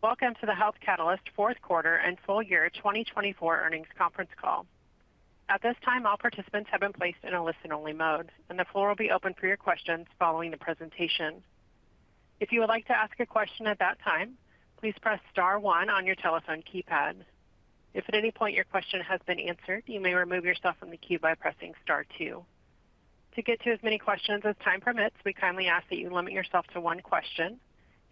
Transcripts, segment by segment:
Welcome to the Health Catalyst fourth quarter and full year 2024 earnings conference call. At this time, all participants have been placed in a listen-only mode, and the floor will be open for your questions following the presentation. If you would like to ask a question at that time, please press star one on your telephone keypad. If at any point your question has been answered, you may remove yourself from the queue by pressing star two. To get to as many questions as time permits, we kindly ask that you limit yourself to one question.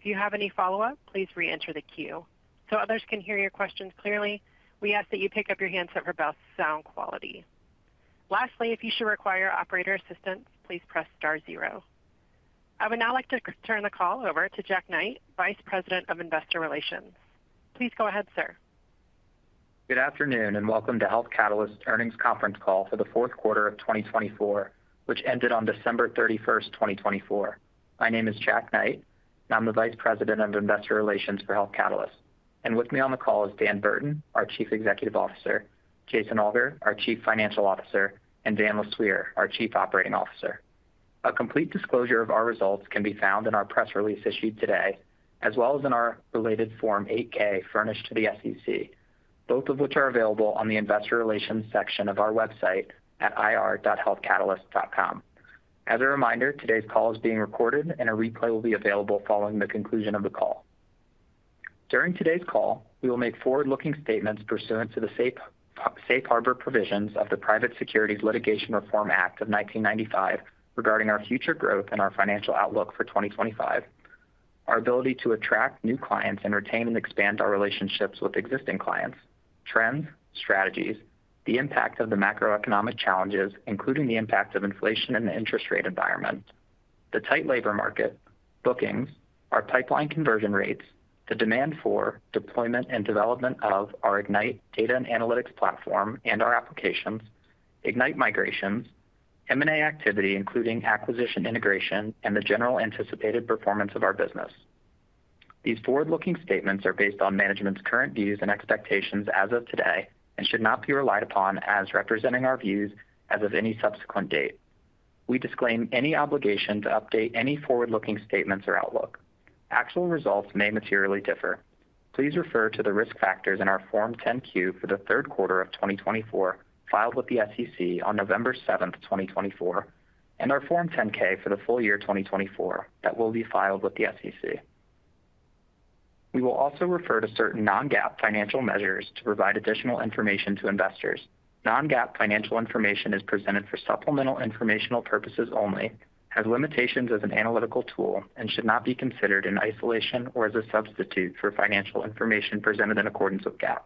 If you have any follow-up, please re-enter the queue. So others can hear your questions clearly, we ask that you pick up your handset for best sound quality. Lastly, if you should require operator assistance, please press star zero. I would now like to turn the call over to Jack Knight, Vice President of Investor Relations. Please go ahead, sir. Good afternoon and welcome to Health Catalyst earnings conference call for the fourth quarter of 2024, which ended on December 31, 2024. My name is Jack Knight, and I'm the Vice President of Investor Relations for Health Catalyst. With me on the call is Dan Burton, our Chief Executive Officer, Jason Alger, our Chief Financial Officer, and Daniel LeSueur, our Chief Operating Officer. A complete disclosure of our results can be found in our press release issued today, as well as in our related Form 8K furnished to the SEC, both of which are available on the Investor Relations section of our website at ir.healthcatalyst.com. As a reminder, today's call is being recorded, and a replay will be available following the conclusion of the call. During today's call, we will make forward-looking statements pursuant to the Safe Harbor provisions of the Private Securities Litigation Reform Act of 1995 regarding our future growth and our financial outlook for 2025, our ability to attract new clients and retain and expand our relationships with existing clients, trends, strategies, the impact of the macroeconomic challenges, including the impact of inflation in the interest rate environment, the tight labor market, bookings, our pipeline conversion rates, the demand for deployment and development of our Ignite data and analytics platform and our applications, Ignite migrations, M&A activity, including acquisition integration, and the general anticipated performance of our business. These forward-looking statements are based on management's current views and expectations as of today and should not be relied upon as representing our views as of any subsequent date. We disclaim any obligation to update any forward-looking statements or outlook. Actual results may materially differ. Please refer to the risk factors in our Form 10Q for the third quarter of 2024 filed with the SEC on November 7, 2024, and our Form 10K for the full year 2024 that will be filed with the SEC. We will also refer to certain non-GAAP financial measures to provide additional information to investors. Non-GAAP financial information is presented for supplemental informational purposes only, has limitations as an analytical tool, and should not be considered in isolation or as a substitute for financial information presented in accordance with GAAP.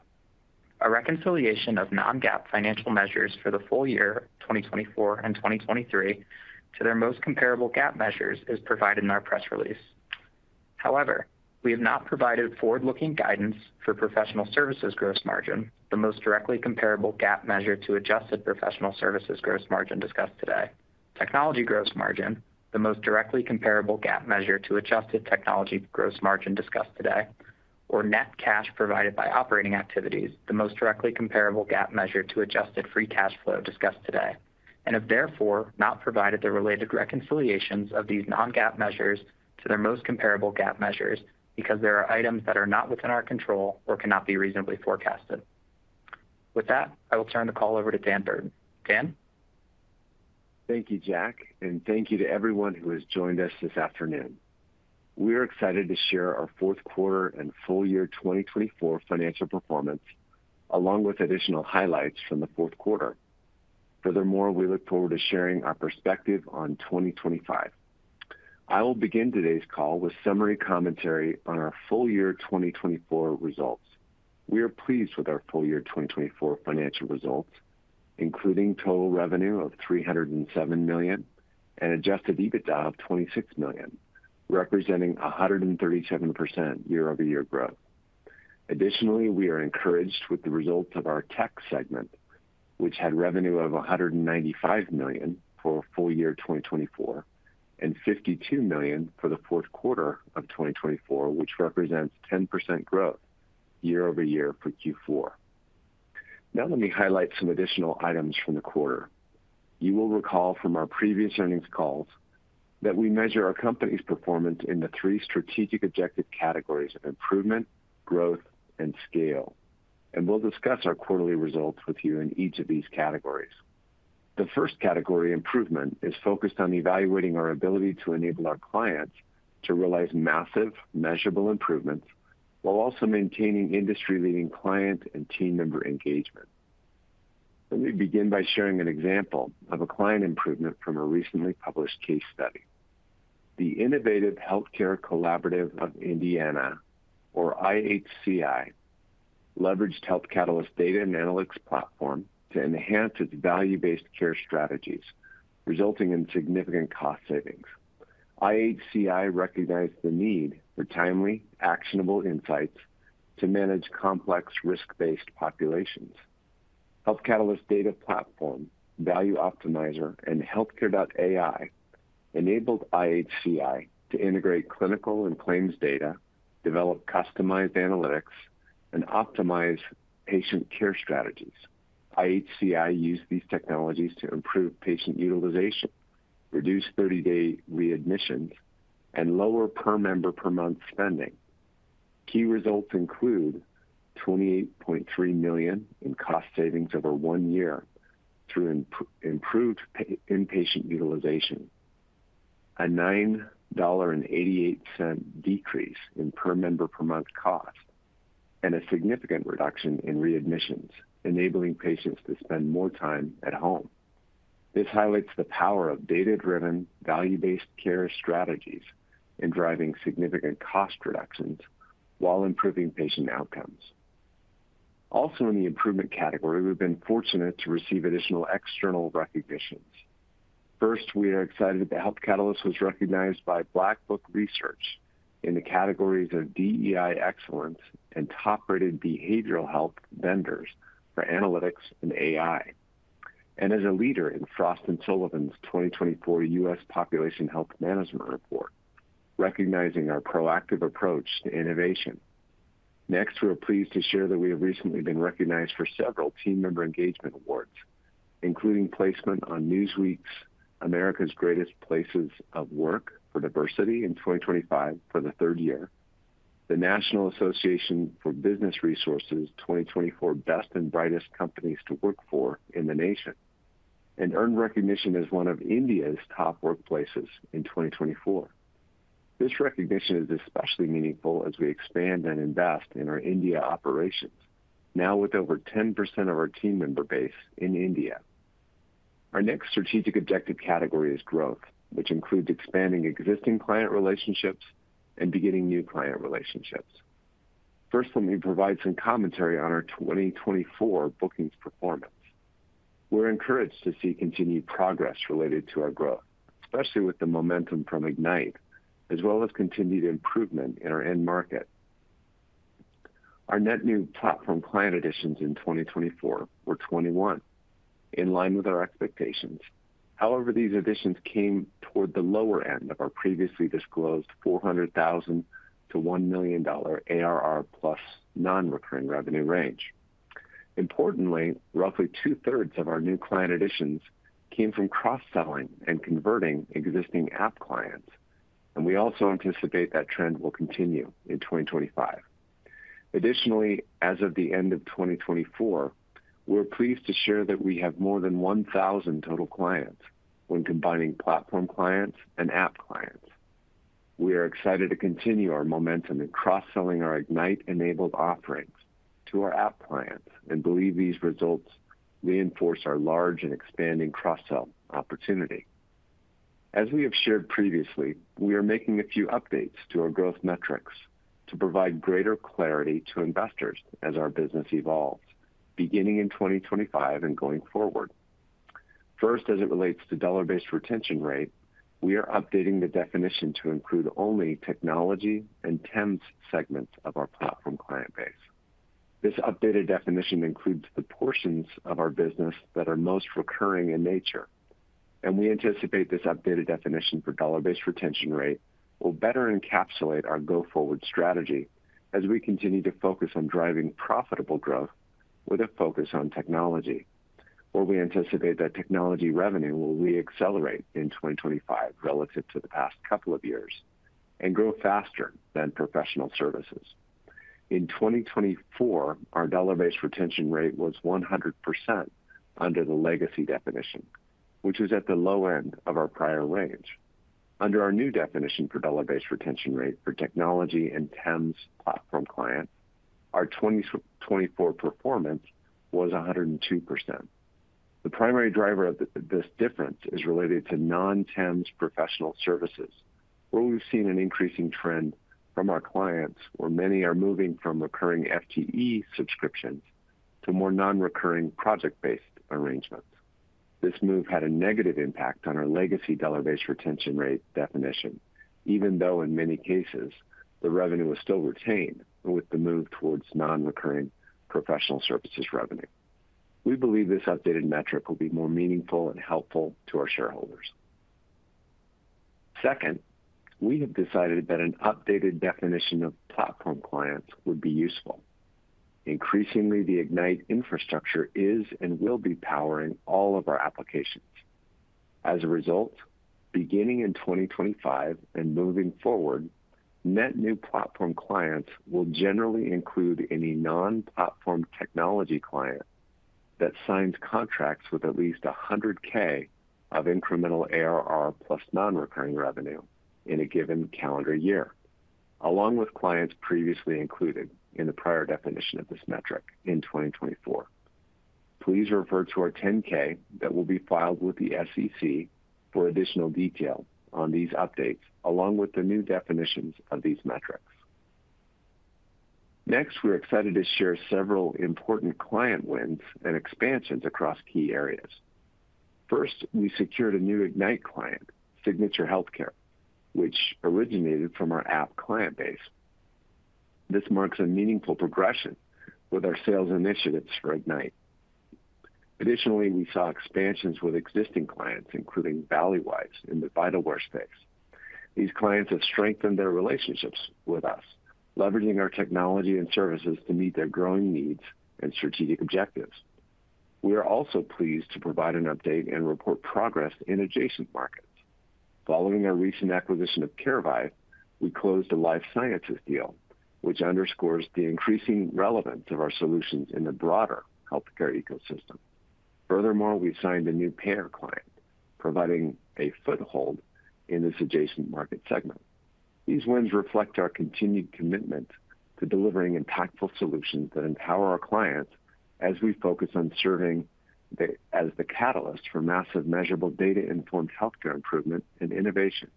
A reconciliation of non-GAAP financial measures for the full year 2024 and 2023 to their most comparable GAAP measures is provided in our press release. However, we have not provided forward-looking guidance for professional services gross margin, the most directly comparable GAAP measure to adjusted professional services gross margin discussed today, technology gross margin, the most directly comparable GAAP measure to adjusted technology gross margin discussed today, or net cash provided by operating activities, the most directly comparable GAAP measure to adjusted free cash flow discussed today, and have therefore not provided the related reconciliations of these non-GAAP measures to their most comparable GAAP measures because there are items that are not within our control or cannot be reasonably forecasted. With that, I will turn the call over to Dan Burton. Dan? Thank you, Jack, and thank you to everyone who has joined us this afternoon. We are excited to share our fourth quarter and full year 2024 financial performance, along with additional highlights from the fourth quarter. Furthermore, we look forward to sharing our perspective on 2025. I will begin today's call with summary commentary on our full year 2024 results. We are pleased with our full year 2024 financial results, including total revenue of $307 million and adjusted EBITDA of $26 million, representing 137% year-over-year growth. Additionally, we are encouraged with the results of our tech segment, which had revenue of $195 million for full year 2024 and $52 million for the fourth quarter of 2024, which represents 10% growth year-over-year for Q4. Now, let me highlight some additional items from the quarter. You will recall from our previous earnings calls that we measure our company's performance in the three strategic objective categories of improvement, growth, and scale, and we'll discuss our quarterly results with you in each of these categories. The first category, improvement, is focused on evaluating our ability to enable our clients to realize massive, measurable improvements while also maintaining industry-leading client and team member engagement. Let me begin by sharing an example of a client improvement from a recently published case study. The Innovative Healthcare Collaborative of Indiana, or IHCI, leveraged Health Catalyst data and analytics platform to enhance its value-based care strategies, resulting in significant cost savings. IHCI recognized the need for timely, actionable insights to manage complex risk-based populations. Health Catalyst data platform, Value Optimizer, and Healthcare.ai enabled IHCI to integrate clinical and claims data, develop customized analytics, and optimize patient care strategies. IHCI used these technologies to improve patient utilization, reduce 30-day readmissions, and lower per member per month spending. Key results include $28.3 million in cost savings over one year through improved inpatient utilization, a $9.88 decrease in per member per month cost, and a significant reduction in readmissions, enabling patients to spend more time at home. This highlights the power of data-driven, value-based care strategies in driving significant cost reductions while improving patient outcomes. Also, in the improvement category, we've been fortunate to receive additional external recognitions. First, we are excited that Health Catalyst was recognized by Black Book Research in the categories of DEI excellence and top-rated behavioral health vendors for analytics and AI, and as a leader in Frost and Sullivan's 2024 U.S. Population Health Management Report, recognizing our proactive approach to innovation. Next, we're pleased to share that we have recently been recognized for several team member engagement awards, including placement on Newsweek's America's Greatest Places of Work for Diversity in 2025 for the third year, the National Association for Business Resources' 2024 Best and Brightest Companies to Work for in the nation, and earned recognition as one of India's top workplaces in 2024. This recognition is especially meaningful as we expand and invest in our India operations, now with over 10% of our team member base in India. Our next strategic objective category is growth, which includes expanding existing client relationships and beginning new client relationships. First, let me provide some commentary on our 2024 bookings performance. We're encouraged to see continued progress related to our growth, especially with the momentum from Ignite, as well as continued improvement in our end market. Our net new platform client additions in 2024 were 21, in line with our expectations. However, these additions came toward the lower end of our previously disclosed $400,000-$1 million ARR plus non-recurring revenue range. Importantly, roughly two-thirds of our new client additions came from cross-selling and converting existing app clients, and we also anticipate that trend will continue in 2025. Additionally, as of the end of 2024, we're pleased to share that we have more than 1,000 total clients when combining platform clients and app clients. We are excited to continue our momentum in cross-selling our Ignite-enabled offerings to our app clients and believe these results reinforce our large and expanding cross-sell opportunity. As we have shared previously, we are making a few updates to our growth metrics to provide greater clarity to investors as our business evolves, beginning in 2025 and going forward. First, as it relates to dollar-based retention rate, we are updating the definition to include only technology and temp segments of our platform client base. This updated definition includes the portions of our business that are most recurring in nature, and we anticipate this updated definition for dollar-based retention rate will better encapsulate our go-forward strategy as we continue to focus on driving profitable growth with a focus on technology, where we anticipate that technology revenue will re-accelerate in 2025 relative to the past couple of years and grow faster than professional services. In 2024, our dollar-based retention rate was 100% under the legacy definition, which is at the low end of our prior range. Under our new definition for dollar-based retention rate for technology and temps platform clients, our 2024 performance was 102%. The primary driver of this difference is related to non-teams professional services, where we've seen an increasing trend from our clients, where many are moving from recurring FTE subscriptions to more non-recurring project-based arrangements. This move had a negative impact on our legacy dollar-based retention rate definition, even though in many cases the revenue was still retained with the move towards non-recurring professional services revenue. We believe this updated metric will be more meaningful and helpful to our shareholders. Second, we have decided that an updated definition of platform clients would be useful. Increasingly, the Ignite infrastructure is and will be powering all of our applications. As a result, beginning in 2025 and moving forward, net new platform clients will generally include any non-platform technology client that signs contracts with at least $100,000 of incremental ARR plus non-recurring revenue in a given calendar year, along with clients previously included in the prior definition of this metric in 2024. Please refer to our 10K that will be filed with the SEC for additional detail on these updates, along with the new definitions of these metrics. Next, we're excited to share several important client wins and expansions across key areas. First, we secured a new Ignite client, Signature Healthcare, which originated from our app client base. This marks a meaningful progression with our sales initiatives for Ignite. Additionally, we saw expansions with existing clients, including Valleywise in the VitalWare space. These clients have strengthened their relationships with us, leveraging our technology and services to meet their growing needs and strategic objectives. We are also pleased to provide an update and report progress in adjacent markets. Following our recent acquisition of CareVive, we closed a life sciences deal, which underscores the increasing relevance of our solutions in the broader healthcare ecosystem. Furthermore, we signed a new payer client, providing a foothold in this adjacent market segment. These wins reflect our continued commitment to delivering impactful solutions that empower our clients as we focus on serving as the catalyst for massive measurable data-informed healthcare improvement and innovation.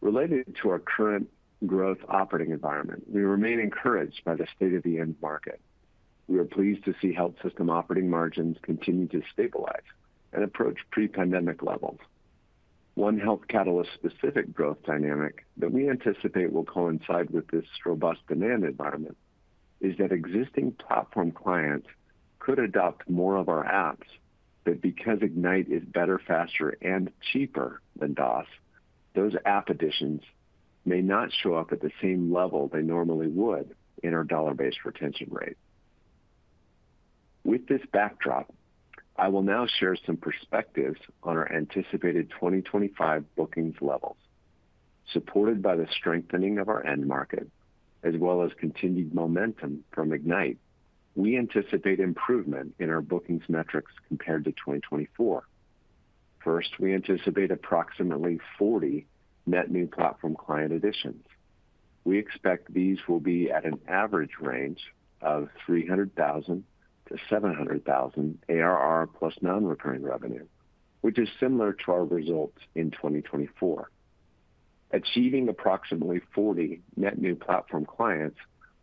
Related to our current growth operating environment, we remain encouraged by the state of the end market. We are pleased to see health system operating margins continue to stabilize and approach pre-pandemic levels. One Health Catalyst-specific growth dynamic that we anticipate will coincide with this robust demand environment is that existing platform clients could adopt more of our apps, but because Ignite is better, faster, and cheaper than DOS, those app additions may not show up at the same level they normally would in our dollar-based retention rate. With this backdrop, I will now share some perspectives on our anticipated 2025 bookings levels. Supported by the strengthening of our end market, as well as continued momentum from Ignite, we anticipate improvement in our bookings metrics compared to 2024. First, we anticipate approximately 40 net new platform client additions. We expect these will be at an average range of $300,000-$700,000 ARR plus non-recurring revenue, which is similar to our results in 2024. Achieving approximately 40 net new platform clients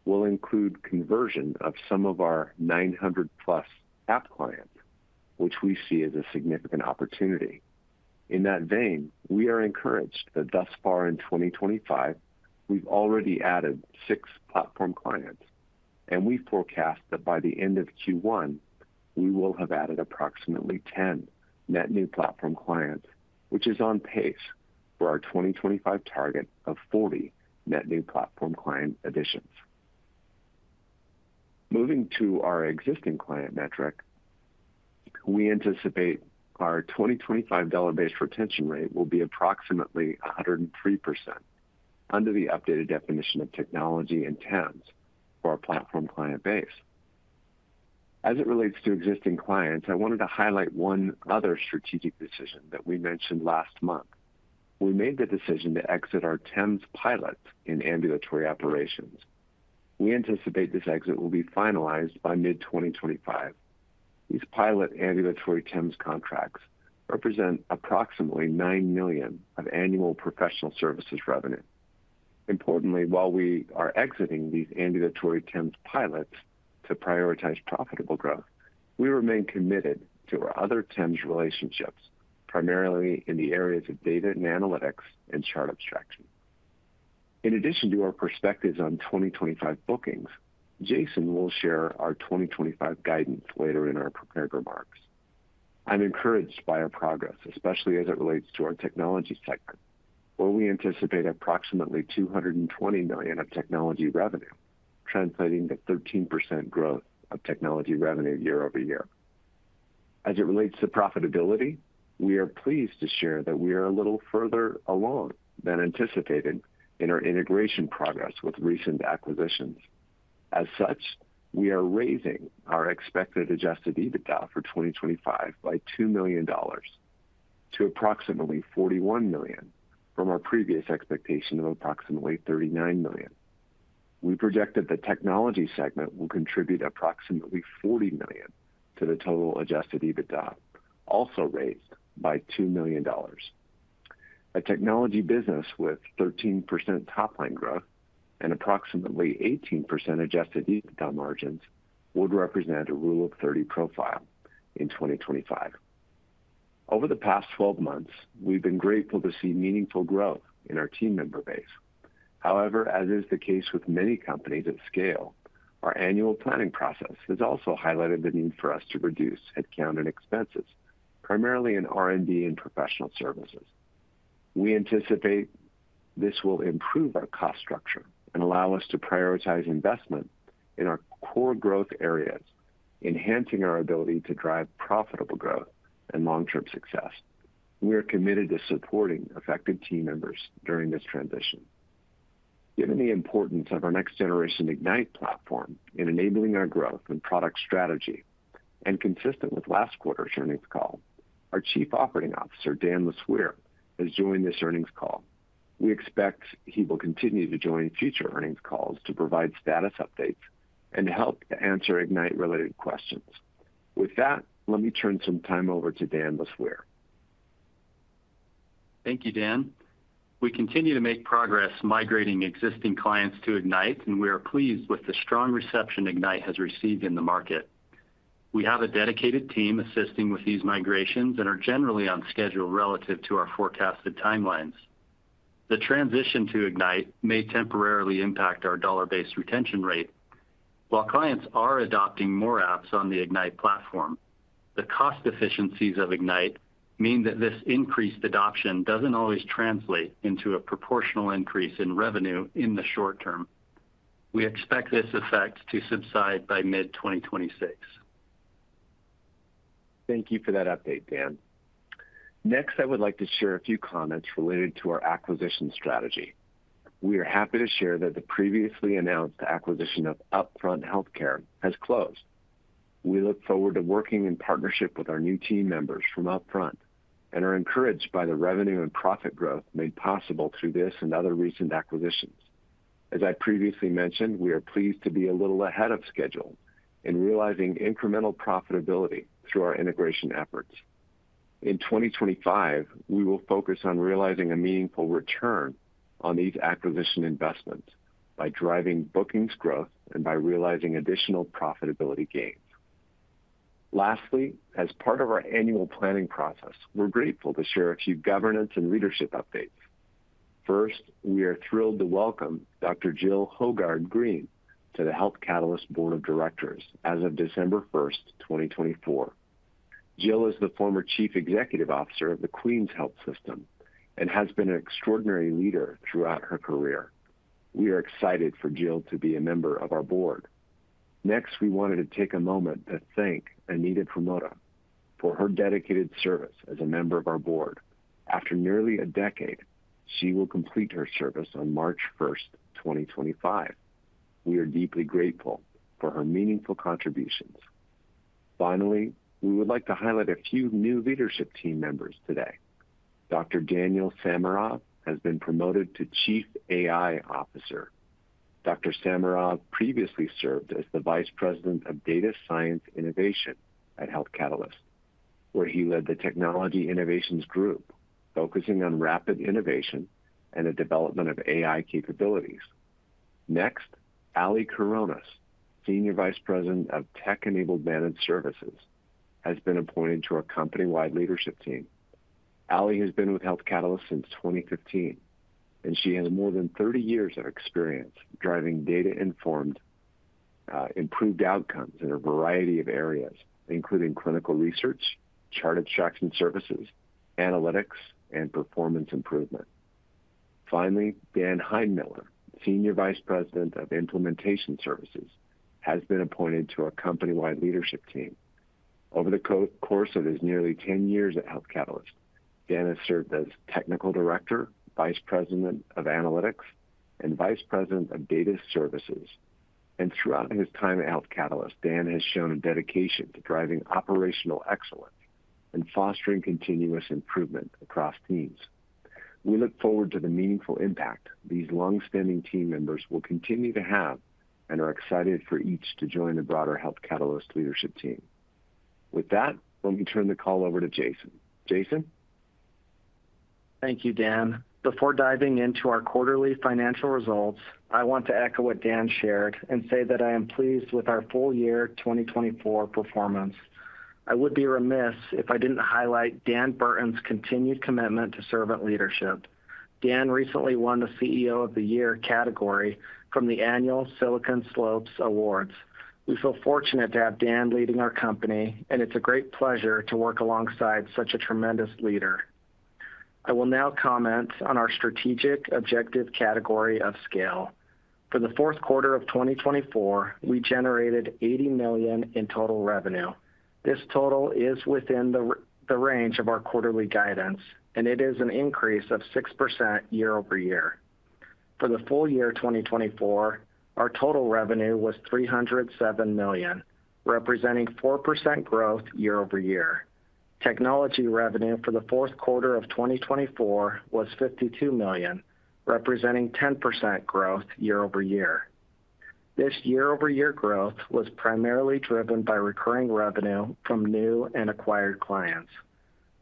will include conversion of some of our 900-plus app clients, which we see as a significant opportunity. In that vein, we are encouraged that thus far in 2025, we've already added six platform clients, and we forecast that by the end of Q1, we will have added approximately 10 net new platform clients, which is on pace for our 2025 target of 40 net new platform client additions. Moving to our existing client metric, we anticipate our 2025 dollar-based retention rate will be approximately 103% under the updated definition of technology and temps for our platform client base. As it relates to existing clients, I wanted to highlight one other strategic decision that we mentioned last month. We made the decision to exit our temps pilot in ambulatory operations. We anticipate this exit will be finalized by mid-2025. These pilot ambulatory temps contracts represent approximately $9 million of annual professional services revenue. Importantly, while we are exiting these ambulatory temps pilots to prioritize profitable growth, we remain committed to our other temps relationships, primarily in the areas of data and analytics and chart abstraction. In addition to our perspectives on 2025 bookings, Jason will share our 2025 guidance later in our prepared remarks. I'm encouraged by our progress, especially as it relates to our technology segment, where we anticipate approximately $220 million of technology revenue, translating to 13% growth of technology revenue year over year. As it relates to profitability, we are pleased to share that we are a little further along than anticipated in our integration progress with recent acquisitions. As such, we are raising our expected adjusted EBITDA for 2025 by $2 million to approximately $41 million from our previous expectation of approximately $39 million. We projected the technology segment will contribute approximately $40 million to the total adjusted EBITDA, also raised by $2 million. A technology business with 13% top-line growth and approximately 18% adjusted EBITDA margins would represent a rule of 30 profile in 2025. Over the past 12 months, we've been grateful to see meaningful growth in our team member base. However, as is the case with many companies at scale, our annual planning process has also highlighted the need for us to reduce headcount and expenses, primarily in R&D and professional services. We anticipate this will improve our cost structure and allow us to prioritize investment in our core growth areas, enhancing our ability to drive profitable growth and long-term success. We are committed to supporting effective team members during this transition. Given the importance of our next-generation Ignite platform in enabling our growth and product strategy, and consistent with last quarter's earnings call, our Chief Operating Officer, Daniel LeSueur, has joined this earnings call. We expect he will continue to join future earnings calls to provide status updates and help to answer Ignite-related questions. With that, let me turn some time over to Daniel LeSueur. Thank you, Daniel. We continue to make progress migrating existing clients to Ignite, and we are pleased with the strong reception Ignite has received in the market. We have a dedicated team assisting with these migrations and are generally on schedule relative to our forecasted timelines. The transition to Ignite may temporarily impact our dollar-based retention rate. While clients are adopting more apps on the Ignite platform, the cost efficiencies of Ignite mean that this increased adoption doesn't always translate into a proportional increase in revenue in the short term. We expect this effect to subside by mid-2026. Thank you for that update, Dan. Next, I would like to share a few comments related to our acquisition strategy. We are happy to share that the previously announced acquisition of Upfront Healthcare has closed. We look forward to working in partnership with our new team members from Upfront and are encouraged by the revenue and profit growth made possible through this and other recent acquisitions. As I previously mentioned, we are pleased to be a little ahead of schedule in realizing incremental profitability through our integration efforts. In 2025, we will focus on realizing a meaningful return on these acquisition investments by driving bookings growth and by realizing additional profitability gains. Lastly, as part of our annual planning process, we're grateful to share a few governance and leadership updates. First, we are thrilled to welcome Dr. Jill Hoggard-Green to the Health Catalyst Board of Directors as of December 1, 2024. Jill is the former Chief Executive Officer of the Queens Health System and has been an extraordinary leader throughout her career. We are excited for Jill to be a member of our board. Next, we wanted to take a moment to thank Anita Pramoda for her dedicated service as a member of our board. After nearly a decade, she will complete her service on March 1, 2025. We are deeply grateful for her meaningful contributions. Finally, we would like to highlight a few new leadership team members today. Dr. Daniel Samara has been promoted to Chief AI Officer. Dr. Samara previously served as the Vice President of Data Science Innovation at Health Catalyst, where he led the technology innovations group focusing on rapid innovation and the development of AI capabilities. Next, Ali Coronas, Senior Vice President of Tech-Enabled Managed Services, has been appointed to our company-wide leadership team. Ali has been with Health Catalyst since 2015, and she has more than 30 years of experience driving data-informed improved outcomes in a variety of areas, including clinical research, chart abstraction services, analytics, and performance improvement. Finally, Dan Hinemiller, Senior Vice President of Implementation Services, has been appointed to our company-wide leadership team. Over the course of his nearly 10 years at Health Catalyst, Dan has served as Technical Director, Vice President of Analytics, and Vice President of Data Services. Throughout his time at Health Catalyst, Dan has shown a dedication to driving operational excellence and fostering continuous improvement across teams. We look forward to the meaningful impact these long-standing team members will continue to have and are excited for each to join the broader Health Catalyst leadership team. With that, let me turn the call over to Jason. Jason. Thank you, Dan. Before diving into our quarterly financial results, I want to echo what Dan shared and say that I am pleased with our full year 2024 performance. I would be remiss if I did not highlight Dan Burton's continued commitment to servant leadership. Dan recently won the CEO of the Year category from the annual Silicon Slopes Awards. We feel fortunate to have Dan leading our company, and it's a great pleasure to work alongside such a tremendous leader. I will now comment on our strategic objective category of scale. For the fourth quarter of 2024, we generated $80 million in total revenue. This total is within the range of our quarterly guidance, and it is an increase of 6% year-over-year. For the full year 2024, our total revenue was $307 million, representing 4% growth year-over-year. Technology revenue for the fourth quarter of 2024 was $52 million, representing 10% growth year-over-year. This year-over-year growth was primarily driven by recurring revenue from new and acquired clients.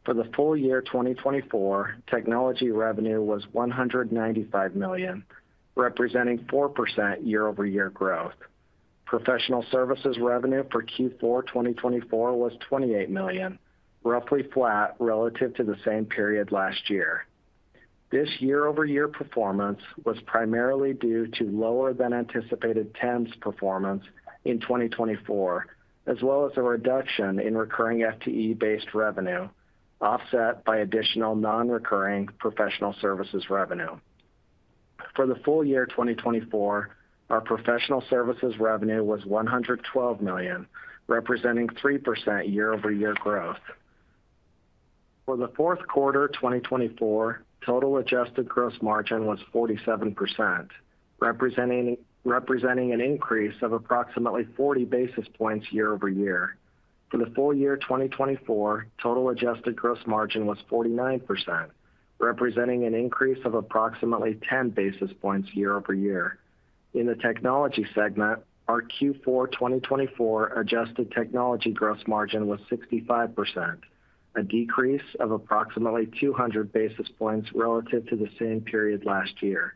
For the full year 2024, technology revenue was $195 million, representing 4% year-over-year growth. Professional services revenue for Q4 2024 was $28 million, roughly flat relative to the same period last year. This year-over-year performance was primarily due to lower-than-anticipated temps performance in 2024, as well as a reduction in recurring FTE-based revenue, offset by additional non-recurring professional services revenue. For the full year 2024, our professional services revenue was $112 million, representing 3% year-over-year growth. For the fourth quarter 2024, total adjusted gross margin was 47%, representing an increase of approximately 40 basis points year-over-year. For the full year 2024, total adjusted gross margin was 49%, representing an increase of approximately 10 basis points year-over-year. In the technology segment, our Q4 2024 adjusted technology gross margin was 65%, a decrease of approximately 200 basis points relative to the same period last year.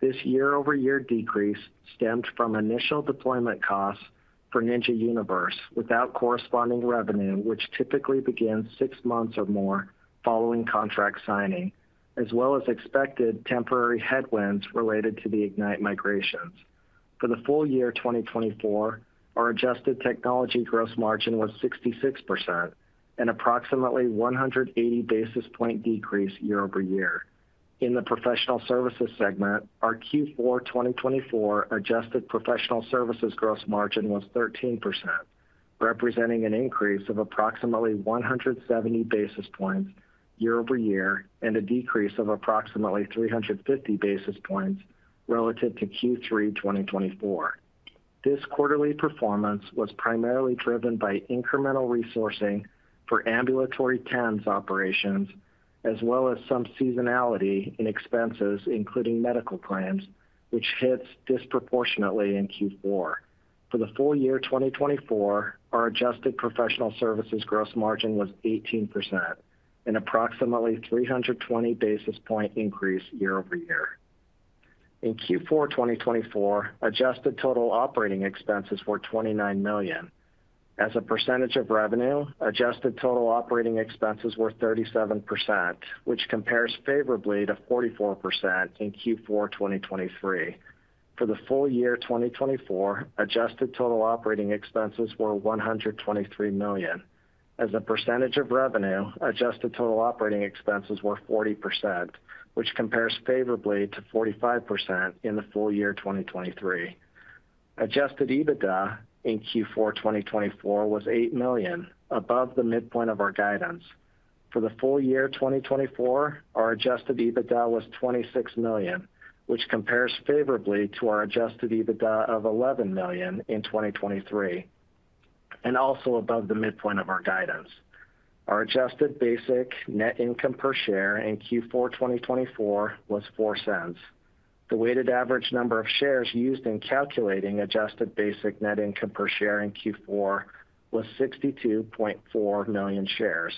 This year-over-year decrease stemmed from initial deployment costs for KPI Ninja Universe without corresponding revenue, which typically begins six months or more following contract signing, as well as expected temporary headwinds related to the Ignite migrations. For the full year 2024, our adjusted technology gross margin was 66%, an approximately 180 basis point decrease year-over-year. In the professional services segment, our Q4 2024 adjusted professional services gross margin was 13%, representing an increase of approximately 170 basis points year-over-year and a decrease of approximately 350 basis points relative to Q3 2024. This quarterly performance was primarily driven by incremental resourcing for ambulatory temps operations, as well as some seasonality in expenses, including medical claims, which hits disproportionately in Q4. For the full year 2024, our adjusted professional services gross margin was 18%, an approximately 320 basis point increase year-over-year. In Q4 2024, adjusted total operating expenses were $29 million. As a percentage of revenue, adjusted total operating expenses were 37%, which compares favorably to 44% in Q4 2023. For the full year 2024, adjusted total operating expenses were $123 million. As a percentage of revenue, adjusted total operating expenses were 40%, which compares favorably to 45% in the full year 2023. Adjusted EBITDA in Q4 2024 was $8 million, above the midpoint of our guidance. For the full year 2024, our adjusted EBITDA was $26 million, which compares favorably to our adjusted EBITDA of $11 million in 2023, and also above the midpoint of our guidance. Our adjusted basic net income per share in Q4 2024 was $0.04. The weighted average number of shares used in calculating adjusted basic net income per share in Q4 was 62.4 million shares.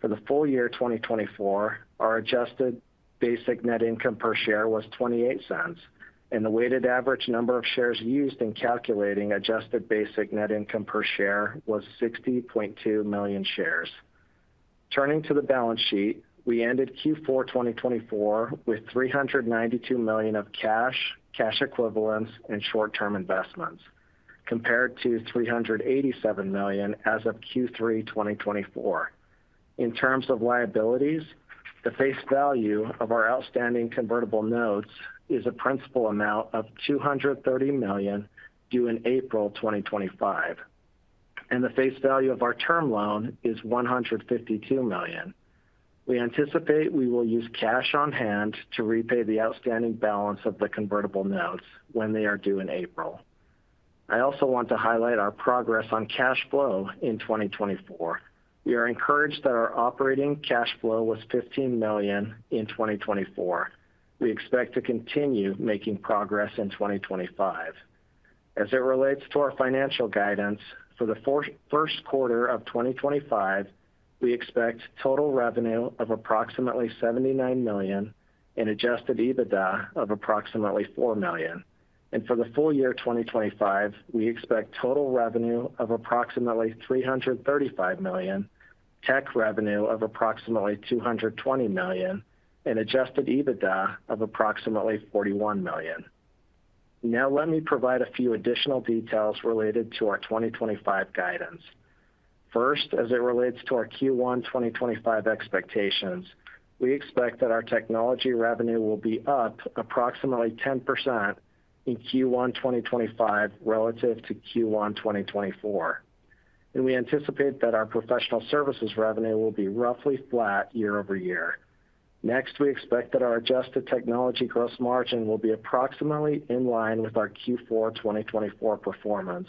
For the full year 2024, our adjusted basic net income per share was $0.28, and the weighted average number of shares used in calculating adjusted basic net income per share was 60.2 million shares. Turning to the balance sheet, we ended Q4 2024 with $392 million of cash, cash equivalents, and short-term investments, compared to $387 million as of Q3 2024. In terms of liabilities, the face value of our outstanding convertible notes is a principal amount of $230 million due in April 2025, and the face value of our term loan is $152 million. We anticipate we will use cash on hand to repay the outstanding balance of the convertible notes when they are due in April. I also want to highlight our progress on cash flow in 2024. We are encouraged that our operating cash flow was $15 million in 2024. We expect to continue making progress in 2025. As it relates to our financial guidance, for the first quarter of 2025, we expect total revenue of approximately $79 million and adjusted EBITDA of approximately $4 million. For the full year 2025, we expect total revenue of approximately $335 million, tech revenue of approximately $220 million, and adjusted EBITDA of approximately $41 million. Now, let me provide a few additional details related to our 2025 guidance. First, as it relates to our Q1 2025 expectations, we expect that our technology revenue will be up approximately 10% in Q1 2025 relative to Q1 2024. We anticipate that our professional services revenue will be roughly flat year-over-year. Next, we expect that our adjusted technology gross margin will be approximately in line with our Q4 2024 performance,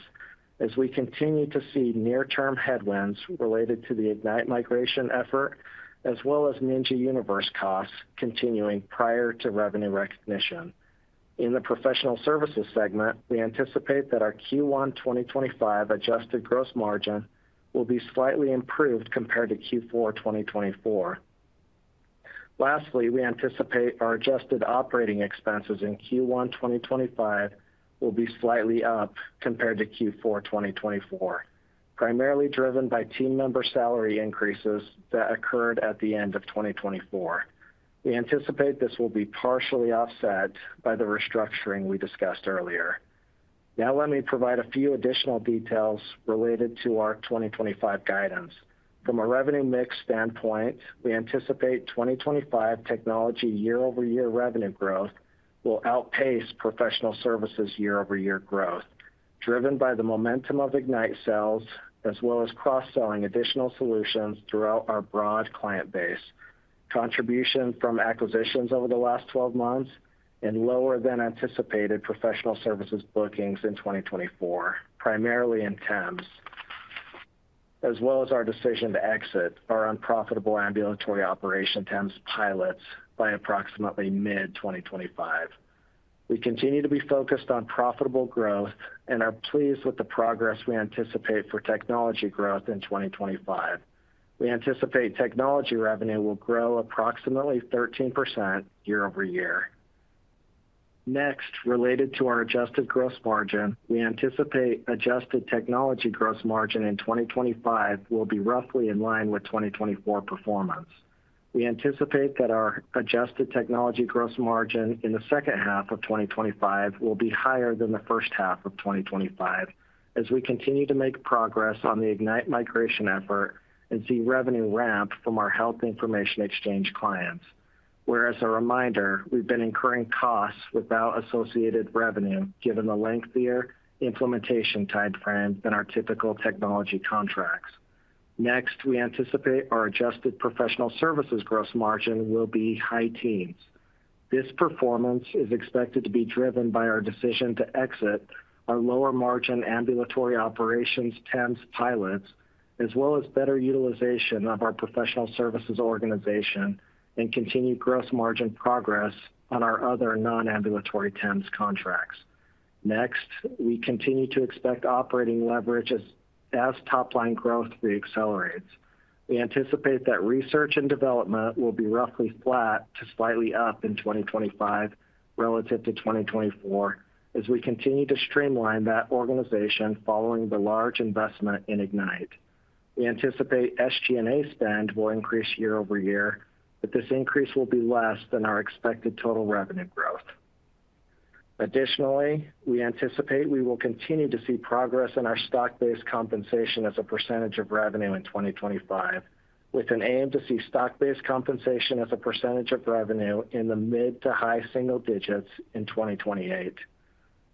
as we continue to see near-term headwinds related to the Ignite migration effort, as well as Ninja Universe costs continuing prior to revenue recognition. In the professional services segment, we anticipate that our Q1 2025 adjusted gross margin will be slightly improved compared to Q4 2024. Lastly, we anticipate our adjusted operating expenses in Q1 2025 will be slightly up compared to Q4 2024, primarily driven by team member salary increases that occurred at the end of 2024. We anticipate this will be partially offset by the restructuring we discussed earlier. Now, let me provide a few additional details related to our 2025 guidance. From a revenue mix standpoint, we anticipate 2025 technology year-over-year revenue growth will outpace professional services year-over-year growth, driven by the momentum of Ignite sales, as well as cross-selling additional solutions throughout our broad client base, contribution from acquisitions over the last 12 months, and lower-than-anticipated professional services bookings in 2024, primarily in temps, as well as our decision to exit our unprofitable ambulatory operation temps pilots by approximately mid-2025. We continue to be focused on profitable growth and are pleased with the progress we anticipate for technology growth in 2025. We anticipate technology revenue will grow approximately 13% year-over-year. Next, related to our adjusted gross margin, we anticipate adjusted technology gross margin in 2025 will be roughly in line with 2024 performance. We anticipate that our adjusted technology gross margin in the second half of 2025 will be higher than the first half of 2025, as we continue to make progress on the Ignite migration effort and see revenue ramp from our health information exchange clients. Whereas, a reminder, we've been incurring costs without associated revenue, given the lengthier implementation timeframe than our typical technology contracts. Next, we anticipate our adjusted professional services gross margin will be high teens. This performance is expected to be driven by our decision to exit our lower-margin ambulatory operations temps pilots, as well as better utilization of our professional services organization and continued gross margin progress on our other non-ambulatory temps contracts. Next, we continue to expect operating leverage as top-line growth reaccelerates. We anticipate that research and development will be roughly flat to slightly up in 2025 relative to 2024, as we continue to streamline that organization following the large investment in Ignite. We anticipate SG&A spend will increase year-over-year, but this increase will be less than our expected total revenue growth. Additionally, we anticipate we will continue to see progress in our stock-based compensation as a percentage of revenue in 2025, with an aim to see stock-based compensation as a percentage of revenue in the mid to high single digits in 2028.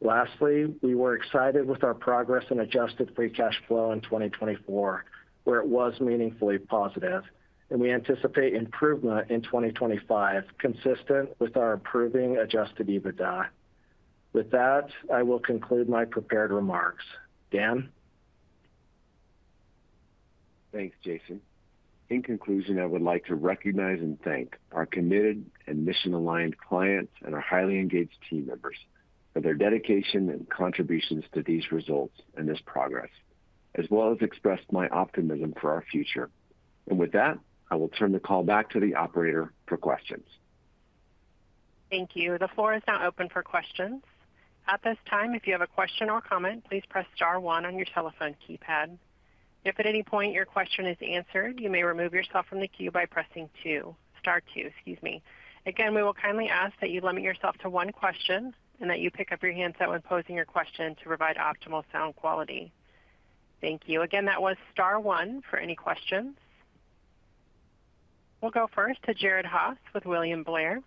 Lastly, we were excited with our progress in adjusted free cash flow in 2024, where it was meaningfully positive, and we anticipate improvement in 2025, consistent with our improving adjusted EBITDA. With that, I will conclude my prepared remarks. Dan? Thanks, Jason. In conclusion, I would like to recognize and thank our committed and mission-aligned clients and our highly engaged team members for their dedication and contributions to these results and this progress, as well as express my optimism for our future. I will turn the call back to the operator for questions. Thank you. The floor is now open for questions. At this time, if you have a question or comment, please press star one on your telephone keypad. If at any point your question is answered, you may remove yourself from the queue by pressing star two. Again, we will kindly ask that you limit yourself to one question and that you pick up your handset when posing your question to provide optimal sound quality. Thank you. Again, that was star one for any questions. We'll go first to Jared Haase with William Blair.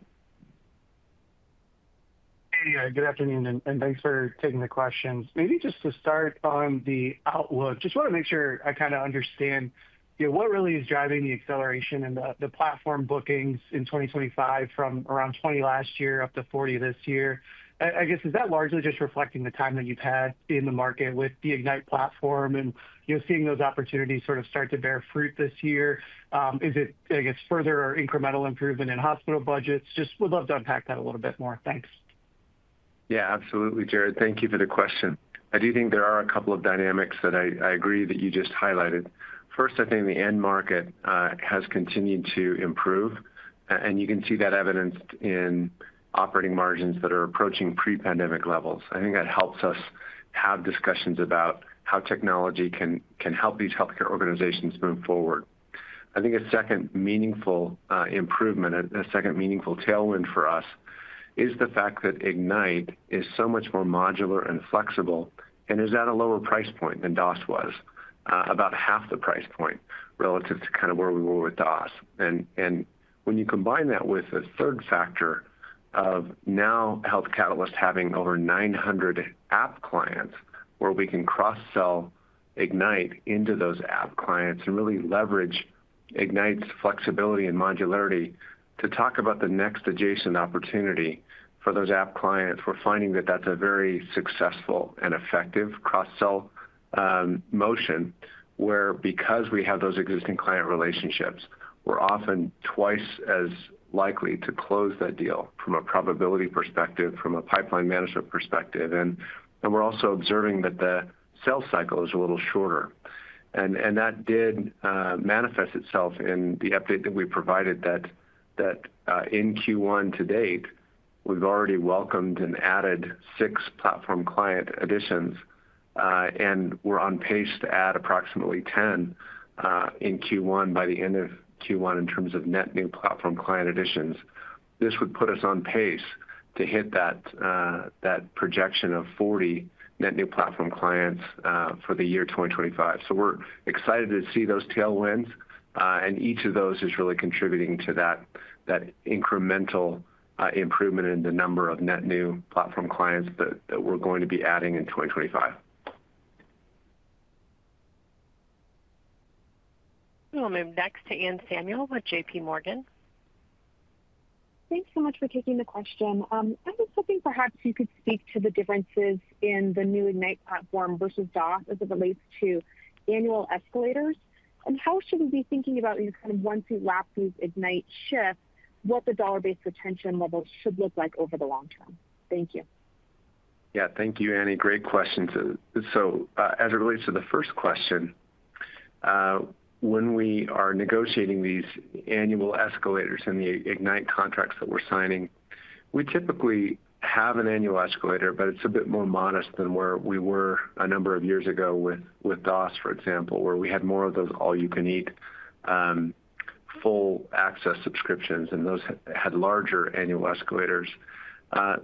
Hey, good afternoon, and thanks for taking the questions. Maybe just to start on the outlook, just want to make sure I kind of understand what really is driving the acceleration in the platform bookings in 2025 from around 20 last year up to 40 this year. I guess, is that largely just reflecting the time that you've had in the market with the Ignite platform and seeing those opportunities sort of start to bear fruit this year? Is it, I guess, further or incremental improvement in hospital budgets? Just would love to unpack that a little bit more. Thanks. Yeah, absolutely, Jared. Thank you for the question. I do think there are a couple of dynamics that I agree that you just highlighted. First, I think the end market has continued to improve, and you can see that evidenced in operating margins that are approaching pre-pandemic levels. I think that helps us have discussions about how technology can help these healthcare organizations move forward. I think a second meaningful improvement, a second meaningful tailwind for us, is the fact that Ignite is so much more modular and flexible and is at a lower price point than DOS was, about half the price point relative to kind of where we were with DOS. When you combine that with the third factor of now Health Catalyst having over 900 app clients where we can cross-sell Ignite into those app clients and really leverage Ignite's flexibility and modularity to talk about the next adjacent opportunity for those app clients, we're finding that that's a very successful and effective cross-sell motion where, because we have those existing client relationships, we're often twice as likely to close that deal from a probability perspective, from a pipeline management perspective. We're also observing that the sell cycle is a little shorter. That did manifest itself in the update that we provided that in Q1 to date, we've already welcomed and added six platform client additions, and we're on pace to add approximately 10 in Q1 by the end of Q1 in terms of net new platform client additions. This would put us on pace to hit that projection of 40 net new platform clients for the year 2025. We're excited to see those tailwinds, and each of those is really contributing to that incremental improvement in the number of net new platform clients that we're going to be adding in 2025. We'll move next to Anne Samuel with JPMorgan. Thanks so much for taking the question. I was hoping perhaps you could speak to the differences in the new Ignite platform versus DOS as it relates to annual escalators. How should we be thinking about kind of once we wrap these Ignite shifts, what the dollar-based retention level should look like over the long term? Thank you. Yeah, thank you, Annie. Great question. As it relates to the first question, when we are negotiating these annual escalators in the Ignite contracts that we're signing, we typically have an annual escalator, but it's a bit more modest than where we were a number of years ago with DOS, for example, where we had more of those all-you-can-eat full access subscriptions, and those had larger annual escalators.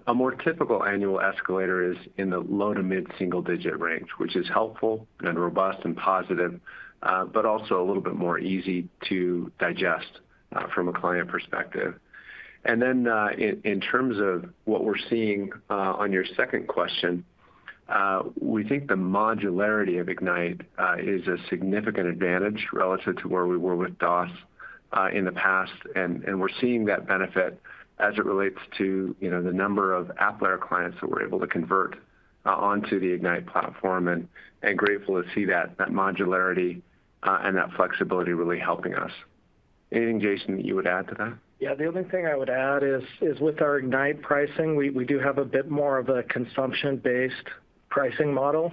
A more typical annual escalator is in the low to mid-single-digit range, which is helpful and robust and positive, but also a little bit more easy to digest from a client perspective. In terms of what we're seeing on your second question, we think the modularity of Ignite is a significant advantage relative to where we were with DOS in the past. We're seeing that benefit as it relates to the number of applet clients that we're able to convert onto the Ignite platform, and grateful to see that modularity and that flexibility really helping us. Anything, Jason, that you would add to that? Yeah, the only thing I would add is with our Ignite pricing, we do have a bit more of a consumption-based pricing model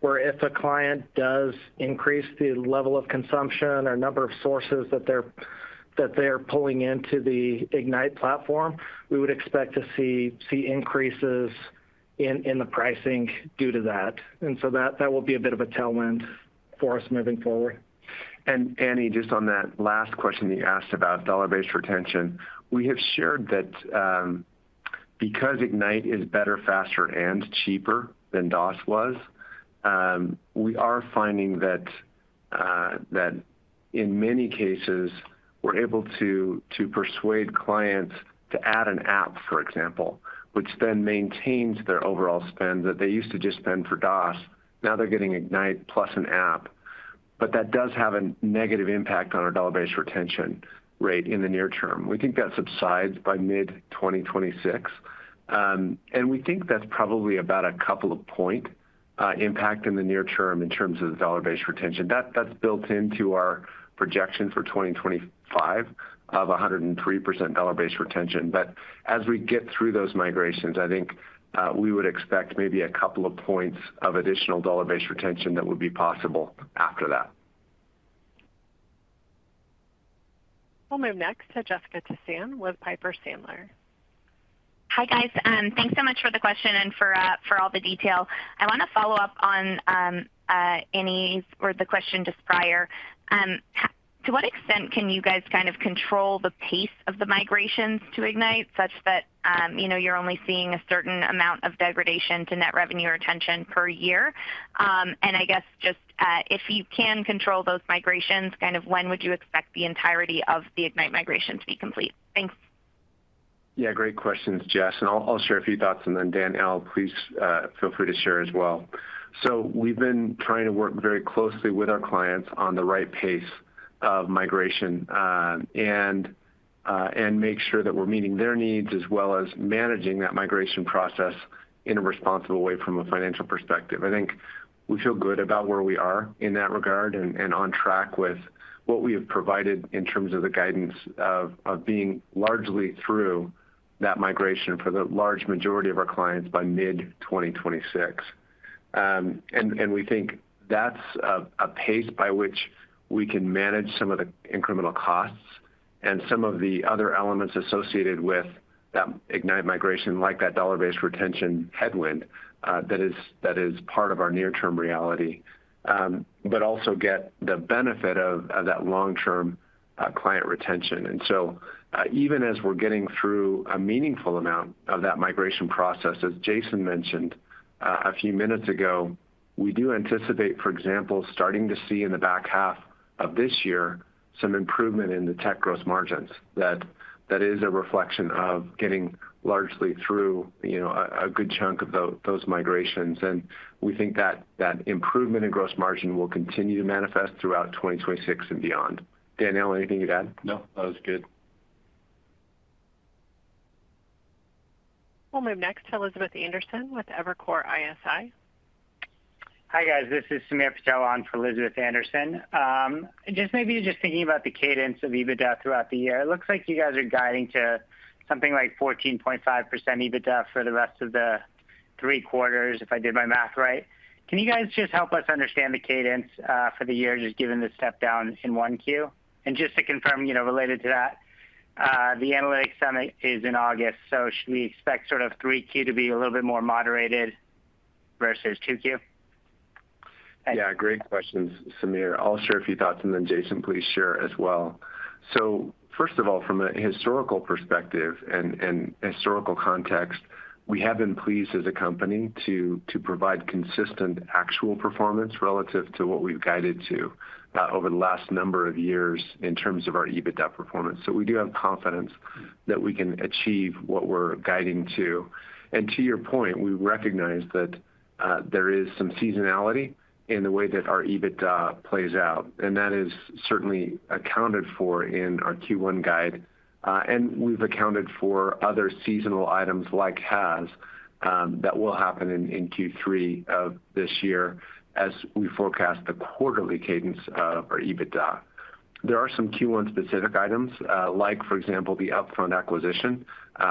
where if a client does increase the level of consumption or number of sources that they're pulling into the Ignite platform, we would expect to see increases in the pricing due to that. That will be a bit of a tailwind for us moving forward. Annie, just on that last question that you asked about dollar-based retention, we have shared that because Ignite is better, faster, and cheaper than DOS was, we are finding that in many cases, we're able to persuade clients to add an app, for example, which then maintains their overall spend that they used to just spend for DOS. Now they're getting Ignite plus an app. That does have a negative impact on our dollar-based retention rate in the near term. We think that subsides by mid-2026. We think that's probably about a couple of point impact in the near term in terms of the dollar-based retention. That's built into our projection for 2025 of 103% dollar-based retention. As we get through those migrations, I think we would expect maybe a couple of points of additional dollar-based retention that would be possible after that. We'll move next to Jessica Tassan with Piper Sandler. Hi, guys. Thanks so much for the question and for all the detail. I want to follow up on Annie's or the question just prior. To what extent can you guys kind of control the pace of the migrations to Ignite such that you're only seeing a certain amount of degradation to net revenue retention per year? I guess just if you can control those migrations, kind of when would you expect the entirety of the Ignite migration to be complete? Thanks. Yeah, great questions, Jess. I'll share a few thoughts. Then Dan, Al, please feel free to share as well. We have been trying to work very closely with our clients on the right pace of migration and make sure that we're meeting their needs as well as managing that migration process in a responsible way from a financial perspective. I think we feel good about where we are in that regard and on track with what we have provided in terms of the guidance of being largely through that migration for the large majority of our clients by mid-2026. We think that's a pace by which we can manage some of the incremental costs and some of the other elements associated with that Ignite migration, like that dollar-based retention headwind that is part of our near-term reality, but also get the benefit of that long-term client retention. Even as we're getting through a meaningful amount of that migration process, as Jason mentioned a few minutes ago, we do anticipate, for example, starting to see in the back half of this year some improvement in the tech gross margins that is a reflection of getting largely through a good chunk of those migrations. We think that improvement in gross margin will continue to manifest throughout 2026 and beyond. Dan, Al, anything you'd add? No, that was good. We'll move next to Elizabeth Anderson with Evercore ISI. Hi, guys. This is Sameer Patel on for Elizabeth Anderson. Just maybe just thinking about the cadence of EBITDA throughout the year, it looks like you guys are guiding to something like 14.5% EBITDA for the rest of the three quarters, if I did my math right. Can you guys just help us understand the cadence for the year, just given the step down in one Q? And just to confirm, related to that, the analytics summit is in August, so should we expect sort of three Q to be a little bit more moderated versus two Q? Yeah, great questions, Samir. I'll share a few thoughts. Then Jason, please share as well. First of all, from a historical perspective and historical context, we have been pleased as a company to provide consistent actual performance relative to what we've guided to over the last number of years in terms of our EBITDA performance. We do have confidence that we can achieve what we're guiding to. To your point, we recognize that there is some seasonality in the way that our EBITDA plays out, and that is certainly accounted for in our Q1 guide. We've accounted for other seasonal items like HAS that will happen in Q3 of this year as we forecast the quarterly cadence of our EBITDA. There are some Q1 specific items, like for example, the Upfront acquisition,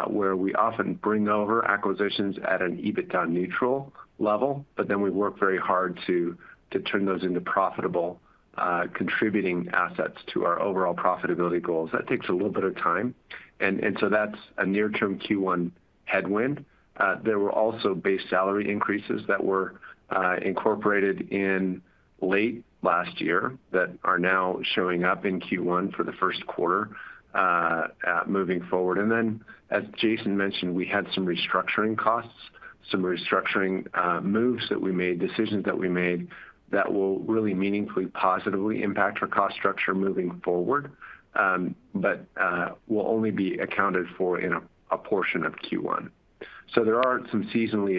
where we often bring over acquisitions at an EBITDA neutral level, but then we work very hard to turn those into profitable contributing assets to our overall profitability goals. That takes a little bit of time. That's a near-term Q1 headwind. There were also base salary increases that were incorporated in late last year that are now showing up in Q1 for the first quarter moving forward. As Jason mentioned, we had some restructuring costs, some restructuring moves that we made, decisions that we made that will really meaningfully positively impact our cost structure moving forward, but will only be accounted for in a portion of Q1. There are some seasonally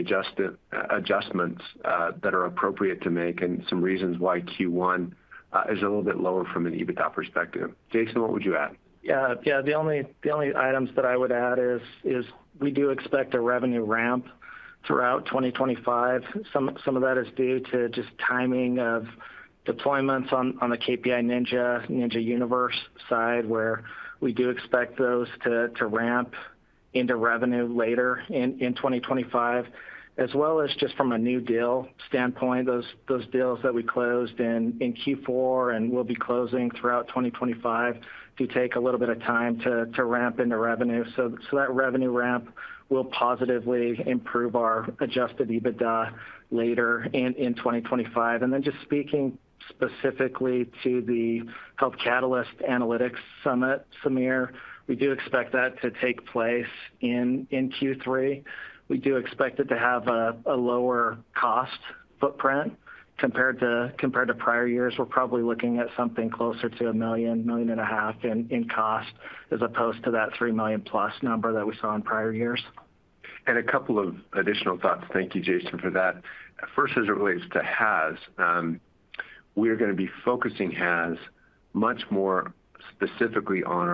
adjustments that are appropriate to make and some reasons why Q1 is a little bit lower from an EBITDA perspective. Jason, what would you add? Yeah, the only items that I would add is we do expect a revenue ramp throughout 2025. Some of that is due to just timing of deployments on the KPI Ninja Universe side, where we do expect those to ramp into revenue later in 2025, as well as just from a new deal standpoint, those deals that we closed in Q4 and will be closing throughout 2025 do take a little bit of time to ramp into revenue. That revenue ramp will positively improve our adjusted EBITDA later in 2025. Just speaking specifically to the Health Catalyst Analytics Summit, Samir, we do expect that to take place in Q3. We do expect it to have a lower cost footprint compared to prior years. We're probably looking at something closer to $1 million-$1.5 million in cost as opposed to that $3 million plus number that we saw in prior years. A couple of additional thoughts. Thank you, Jason, for that. First, as it relates to HAZ, we're going to be focusing HAZ much more specifically on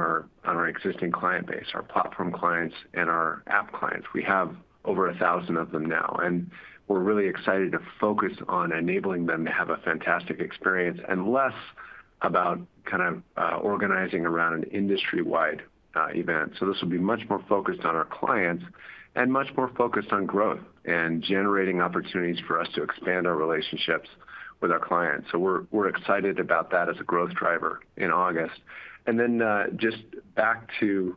our existing client base, our platform clients and our app clients. We have over 1,000 of them now, and we're really excited to focus on enabling them to have a fantastic experience and less about kind of organizing around an industry-wide event. This will be much more focused on our clients and much more focused on growth and generating opportunities for us to expand our relationships with our clients. We're excited about that as a growth driver in August. Just back to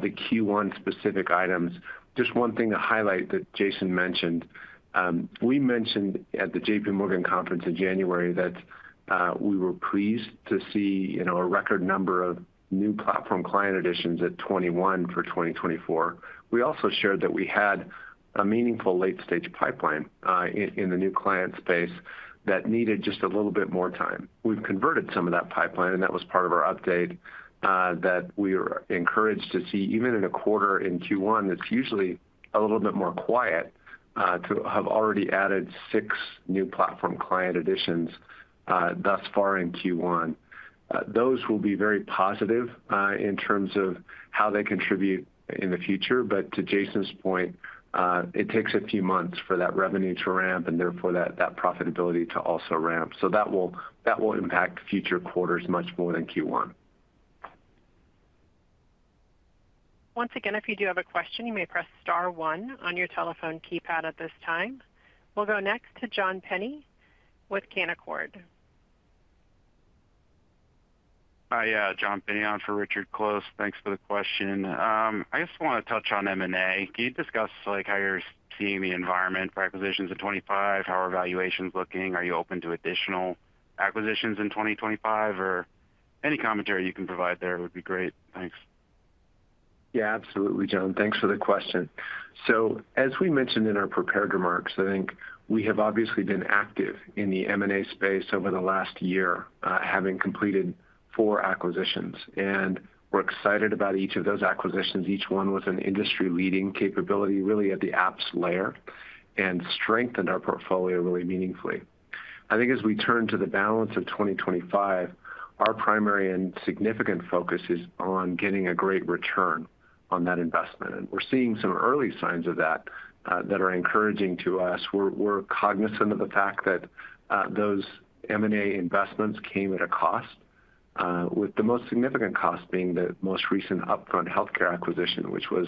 the Q1 specific items, just one thing to highlight that Jason mentioned. We mentioned at the JPMorgan conference in January that we were pleased to see a record number of new platform client additions at 21 for 2024. We also shared that we had a meaningful late-stage pipeline in the new client space that needed just a little bit more time. We've converted some of that pipeline, and that was part of our update that we were encouraged to see even in a quarter in Q1 that's usually a little bit more quiet to have already added six new platform client additions thus far in Q1. Those will be very positive in terms of how they contribute in the future. To Jason's point, it takes a few months for that revenue to ramp and therefore that profitability to also ramp. That will impact future quarters much more than Q1. Once again, if you do have a question, you may press star one on your telephone keypad at this time. We'll go next to John Pinney with Canaccord. Hi, John Pinney on for Richard Close. Thanks for the question. I just want to touch on M&A. Can you discuss how you're seeing the environment for acquisitions in 2025, how are valuations looking? Are you open to additional acquisitions in 2025? Any commentary you can provide there would be great. Thanks. Yeah, absolutely, John. Thanks for the question. As we mentioned in our prepared remarks, I think we have obviously been active in the M&A space over the last year, having completed four acquisitions. We're excited about each of those acquisitions, each one with an industry-leading capability really at the apps layer and strengthened our portfolio really meaningfully. I think as we turn to the balance of 2025, our primary and significant focus is on getting a great return on that investment. We're seeing some early signs of that that are encouraging to us. We're cognizant of the fact that those M&A investments came at a cost, with the most significant cost being the most recent Upfront Healthcare acquisition, which was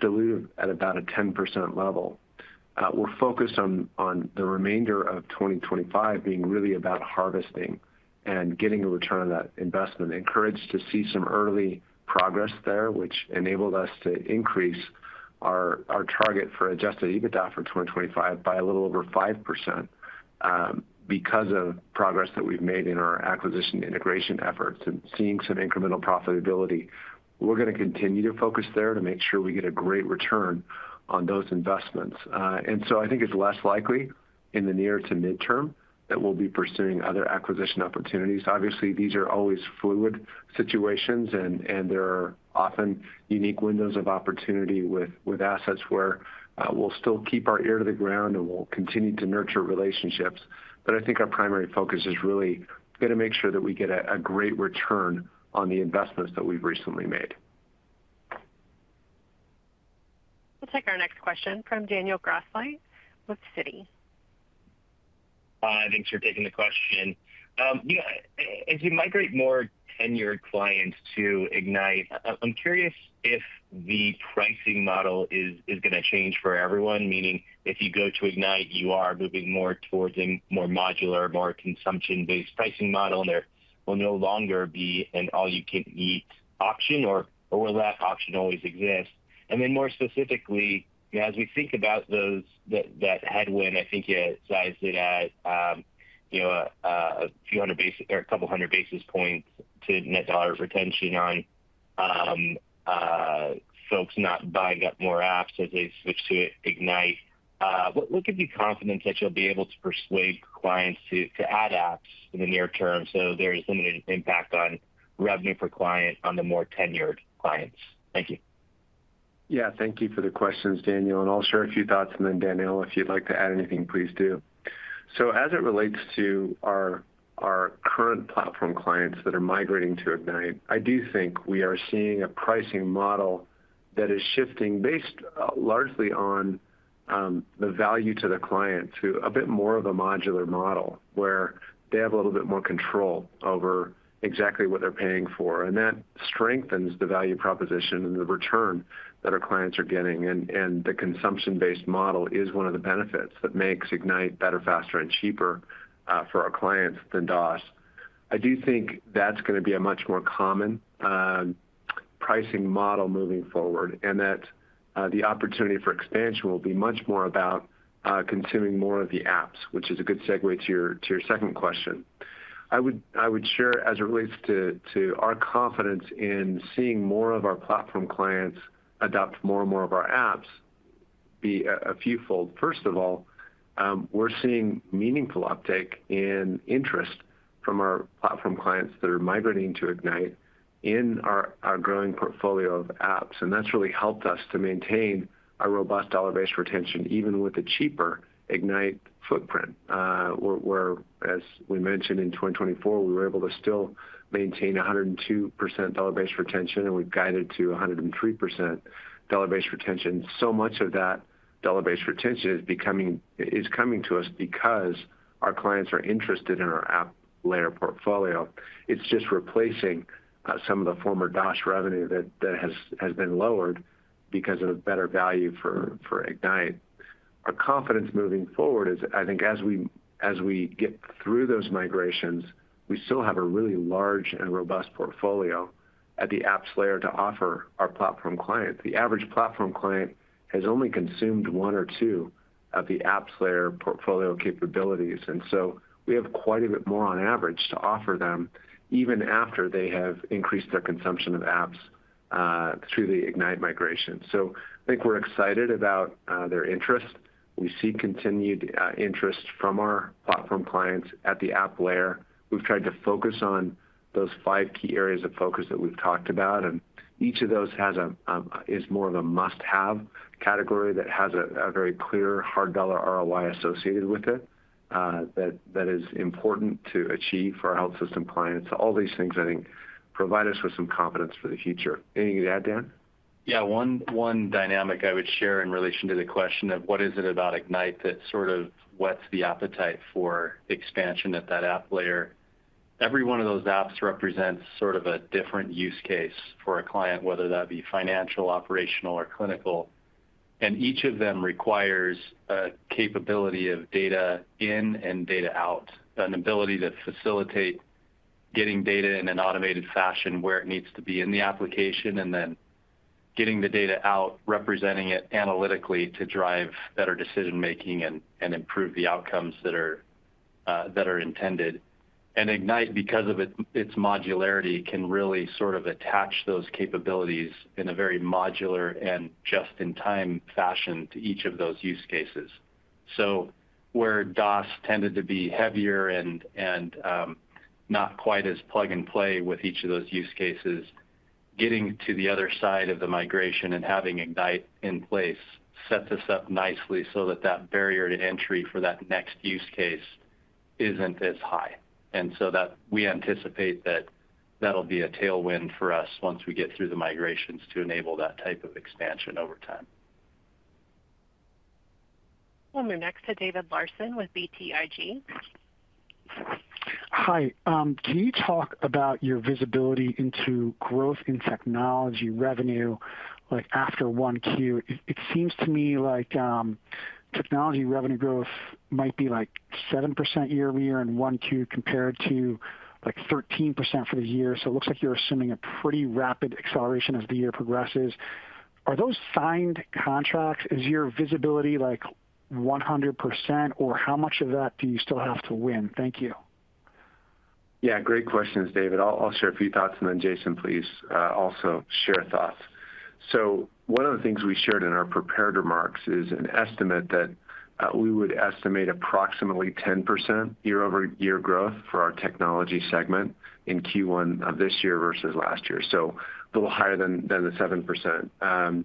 dilutive at about a 10% level. We're focused on the remainder of 2025 being really about harvesting and getting a return on that investment. Encouraged to see some early progress there, which enabled us to increase our target for adjusted EBITDA for 2025 by a little over 5% because of progress that we've made in our acquisition integration efforts and seeing some incremental profitability. We're going to continue to focus there to make sure we get a great return on those investments. I think it's less likely in the near to midterm that we'll be pursuing other acquisition opportunities. Obviously, these are always fluid situations, and there are often unique windows of opportunity with assets where we'll still keep our ear to the ground and we'll continue to nurture relationships. I think our primary focus is really going to make sure that we get a great return on the investments that we've recently made. We'll take our next question from Daniel Grosslight with Citi. Hi, thanks for taking the question. As you migrate more tenured clients to Ignite, I'm curious if the pricing model is going to change for everyone, meaning if you go to Ignite, you are moving more towards a more modular, more consumption-based pricing model, and there will no longer be an all-you-can-eat option or will that option always exist? More specifically, as we think about that headwind, I think you sized it at a few hundred basis or a couple hundred basis points to net dollar retention on folks not buying up more apps as they switch to Ignite. What gives you confidence that you'll be able to persuade clients to add apps in the near term so there is limited impact on revenue per client on the more tenured clients? Thank you. Yeah, thank you for the questions, Daniel. I'll share a few thoughts. Daniel, if you'd like to add anything, please do. As it relates to our current platform clients that are migrating to Ignite, I do think we are seeing a pricing model that is shifting based largely on the value to the client to a bit more of a modular model where they have a little bit more control over exactly what they're paying for. That strengthens the value proposition and the return that our clients are getting. The consumption-based model is one of the benefits that makes Ignite better, faster, and cheaper for our clients than DOS. I do think that's going to be a much more common pricing model moving forward, and the opportunity for expansion will be much more about consuming more of the apps, which is a good segue to your second question. I would share, as it relates to our confidence in seeing more of our platform clients adopt more and more of our apps, be a few-fold. First of all, we're seeing meaningful uptake in interest from our platform clients that are migrating to Ignite in our growing portfolio of apps. That has really helped us to maintain our robust dollar-based retention even with a cheaper Ignite footprint. Where, as we mentioned in 2024, we were able to still maintain 102% dollar-based retention, and we've guided to 103% dollar-based retention. Much of that dollar-based retention is coming to us because our clients are interested in our app layer portfolio. It is just replacing some of the former DOS revenue that has been lowered because of better value for Ignite. Our confidence moving forward is, I think, as we get through those migrations, we still have a really large and robust portfolio at the apps layer to offer our platform client. The average platform client has only consumed one or two of the apps layer portfolio capabilities. We have quite a bit more on average to offer them even after they have increased their consumption of apps through the Ignite migration. I think we're excited about their interest. We see continued interest from our platform clients at the app layer. We've tried to focus on those five key areas of focus that we've talked about. Each of those is more of a must-have category that has a very clear hard dollar ROI associated with it that is important to achieve for our health system clients. All these things, I think, provide us with some confidence for the future. Anything to add, Dan? Yeah, one dynamic I would share in relation to the question of what is it about Ignite that sort of wets the appetite for expansion at that app layer. Every one of those apps represents sort of a different use case for a client, whether that be financial, operational, or clinical. Each of them requires a capability of data in and data out, an ability to facilitate getting data in an automated fashion where it needs to be in the application, and then getting the data out, representing it analytically to drive better decision-making and improve the outcomes that are intended. Ignite, because of its modularity, can really sort of attach those capabilities in a very modular and just-in-time fashion to each of those use cases. Where DOS tended to be heavier and not quite as plug-and-play with each of those use cases, getting to the other side of the migration and having Ignite in place sets us up nicely so that that barrier to entry for that next use case isn't as high. We anticipate that that'll be a tailwind for us once we get through the migrations to enable that type of expansion over time. We'll move next to David Larsen with BTIG. Hi. Can you talk about your visibility into growth in technology revenue after one Q? It seems to me like technology revenue growth might be like 7% year-over-year in one Q compared to like 13% for the year. It looks like you're assuming a pretty rapid acceleration as the year progresses. Are those signed contracts? Is your visibility like 100%, or how much of that do you still have to win? Thank you. Yeah, great questions, David. I'll share a few thoughts. Jason, please also share thoughts. One of the things we shared in our prepared remarks is an estimate that we would estimate approximately 10% year-over-year growth for our technology segment in Q1 of this year versus last year. A little higher than the 7%.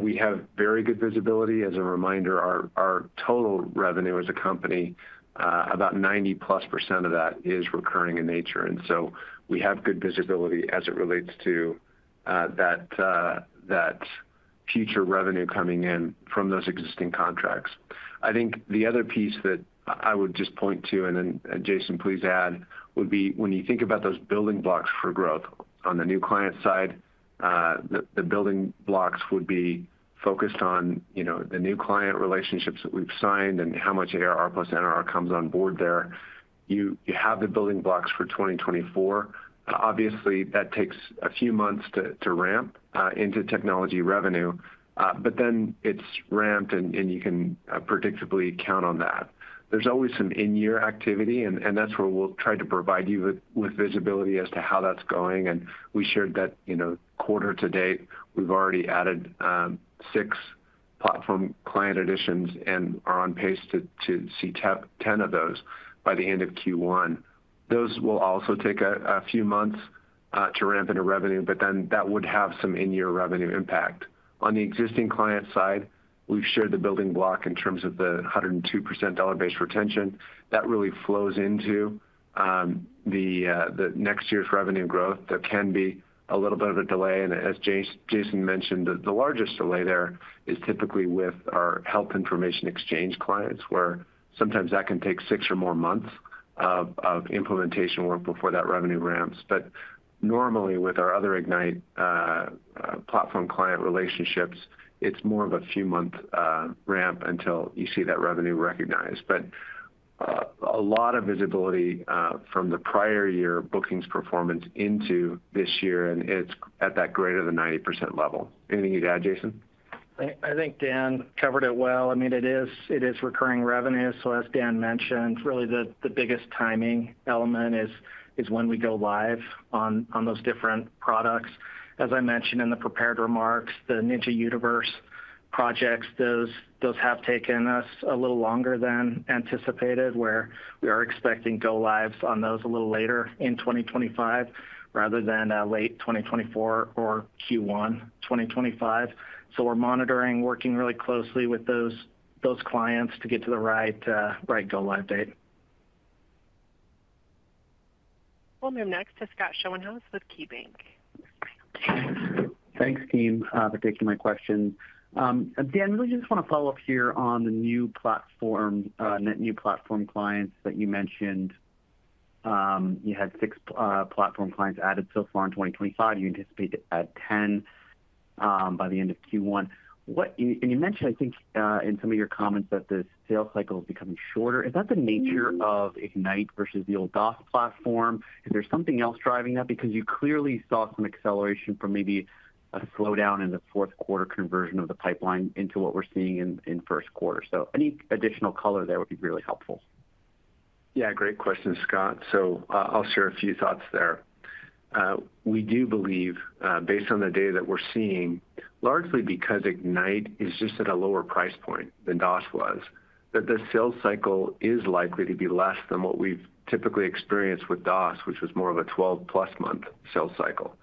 We have very good visibility. As a reminder, our total revenue as a company, about 90-plus % of that is recurring in nature. We have good visibility as it relates to that future revenue coming in from those existing contracts. I think the other piece that I would just point to, and then, Jason, please add, would be when you think about those building blocks for growth on the new client side, the building blocks would be focused on the new client relationships that we've signed and how much ARR plus NRR comes on board there. You have the building blocks for 2024. Obviously, that takes a few months to ramp into technology revenue, but then it's ramped, and you can predictably count on that. There's always some in-year activity, and that's where we'll try to provide you with visibility as to how that's going. We shared that quarter to date, we've already added six platform client additions and are on pace to see 10 of those by the end of Q1. Those will also take a few months to ramp into revenue, but then that would have some in-year revenue impact. On the existing client side, we've shared the building block in terms of the 102% dollar-based retention. That really flows into the next year's revenue growth. There can be a little bit of a delay. As Jason mentioned, the largest delay there is typically with our health information exchange clients, where sometimes that can take six or more months of implementation work before that revenue ramps. Normally, with our other Ignite platform client relationships, it's more of a few-month ramp until you see that revenue recognized. A lot of visibility from the prior year bookings performance into this year, and it's at that greater than 90% level. Anything you'd add, Jason? I think Dan covered it well. I mean, it is recurring revenue. As Dan mentioned, really the biggest timing element is when we go live on those different products. As I mentioned in the prepared remarks, the Ninja Universe projects, those have taken us a little longer than anticipated, where we are expecting go-lives on those a little later in 2025 rather than late 2024 or Q1 2025. We are monitoring, working really closely with those clients to get to the right go-live date. We'll move next to Scott Schoenhaus with KeyBank. Thanks, team, for taking my question. Dan, really just want to follow up here on the new platform, net new platform clients that you mentioned. You had six platform clients added so far in 2025. You anticipate to add 10 by the end of Q1. You mentioned, I think, in some of your comments that the sales cycle is becoming shorter. Is that the nature of Ignite versus the old DOS platform? Is there something else driving that? Because you clearly saw some acceleration from maybe a slowdown in the fourth quarter conversion of the pipeline into what we're seeing in first quarter. Any additional color there would be really helpful. Yeah, great question, Scott. I'll share a few thoughts there. We do believe, based on the data that we're seeing, largely because Ignite is just at a lower price point than DOS was, that the sales cycle is likely to be less than what we've typically experienced with DOS, which was more of a 12-plus month sales cycle.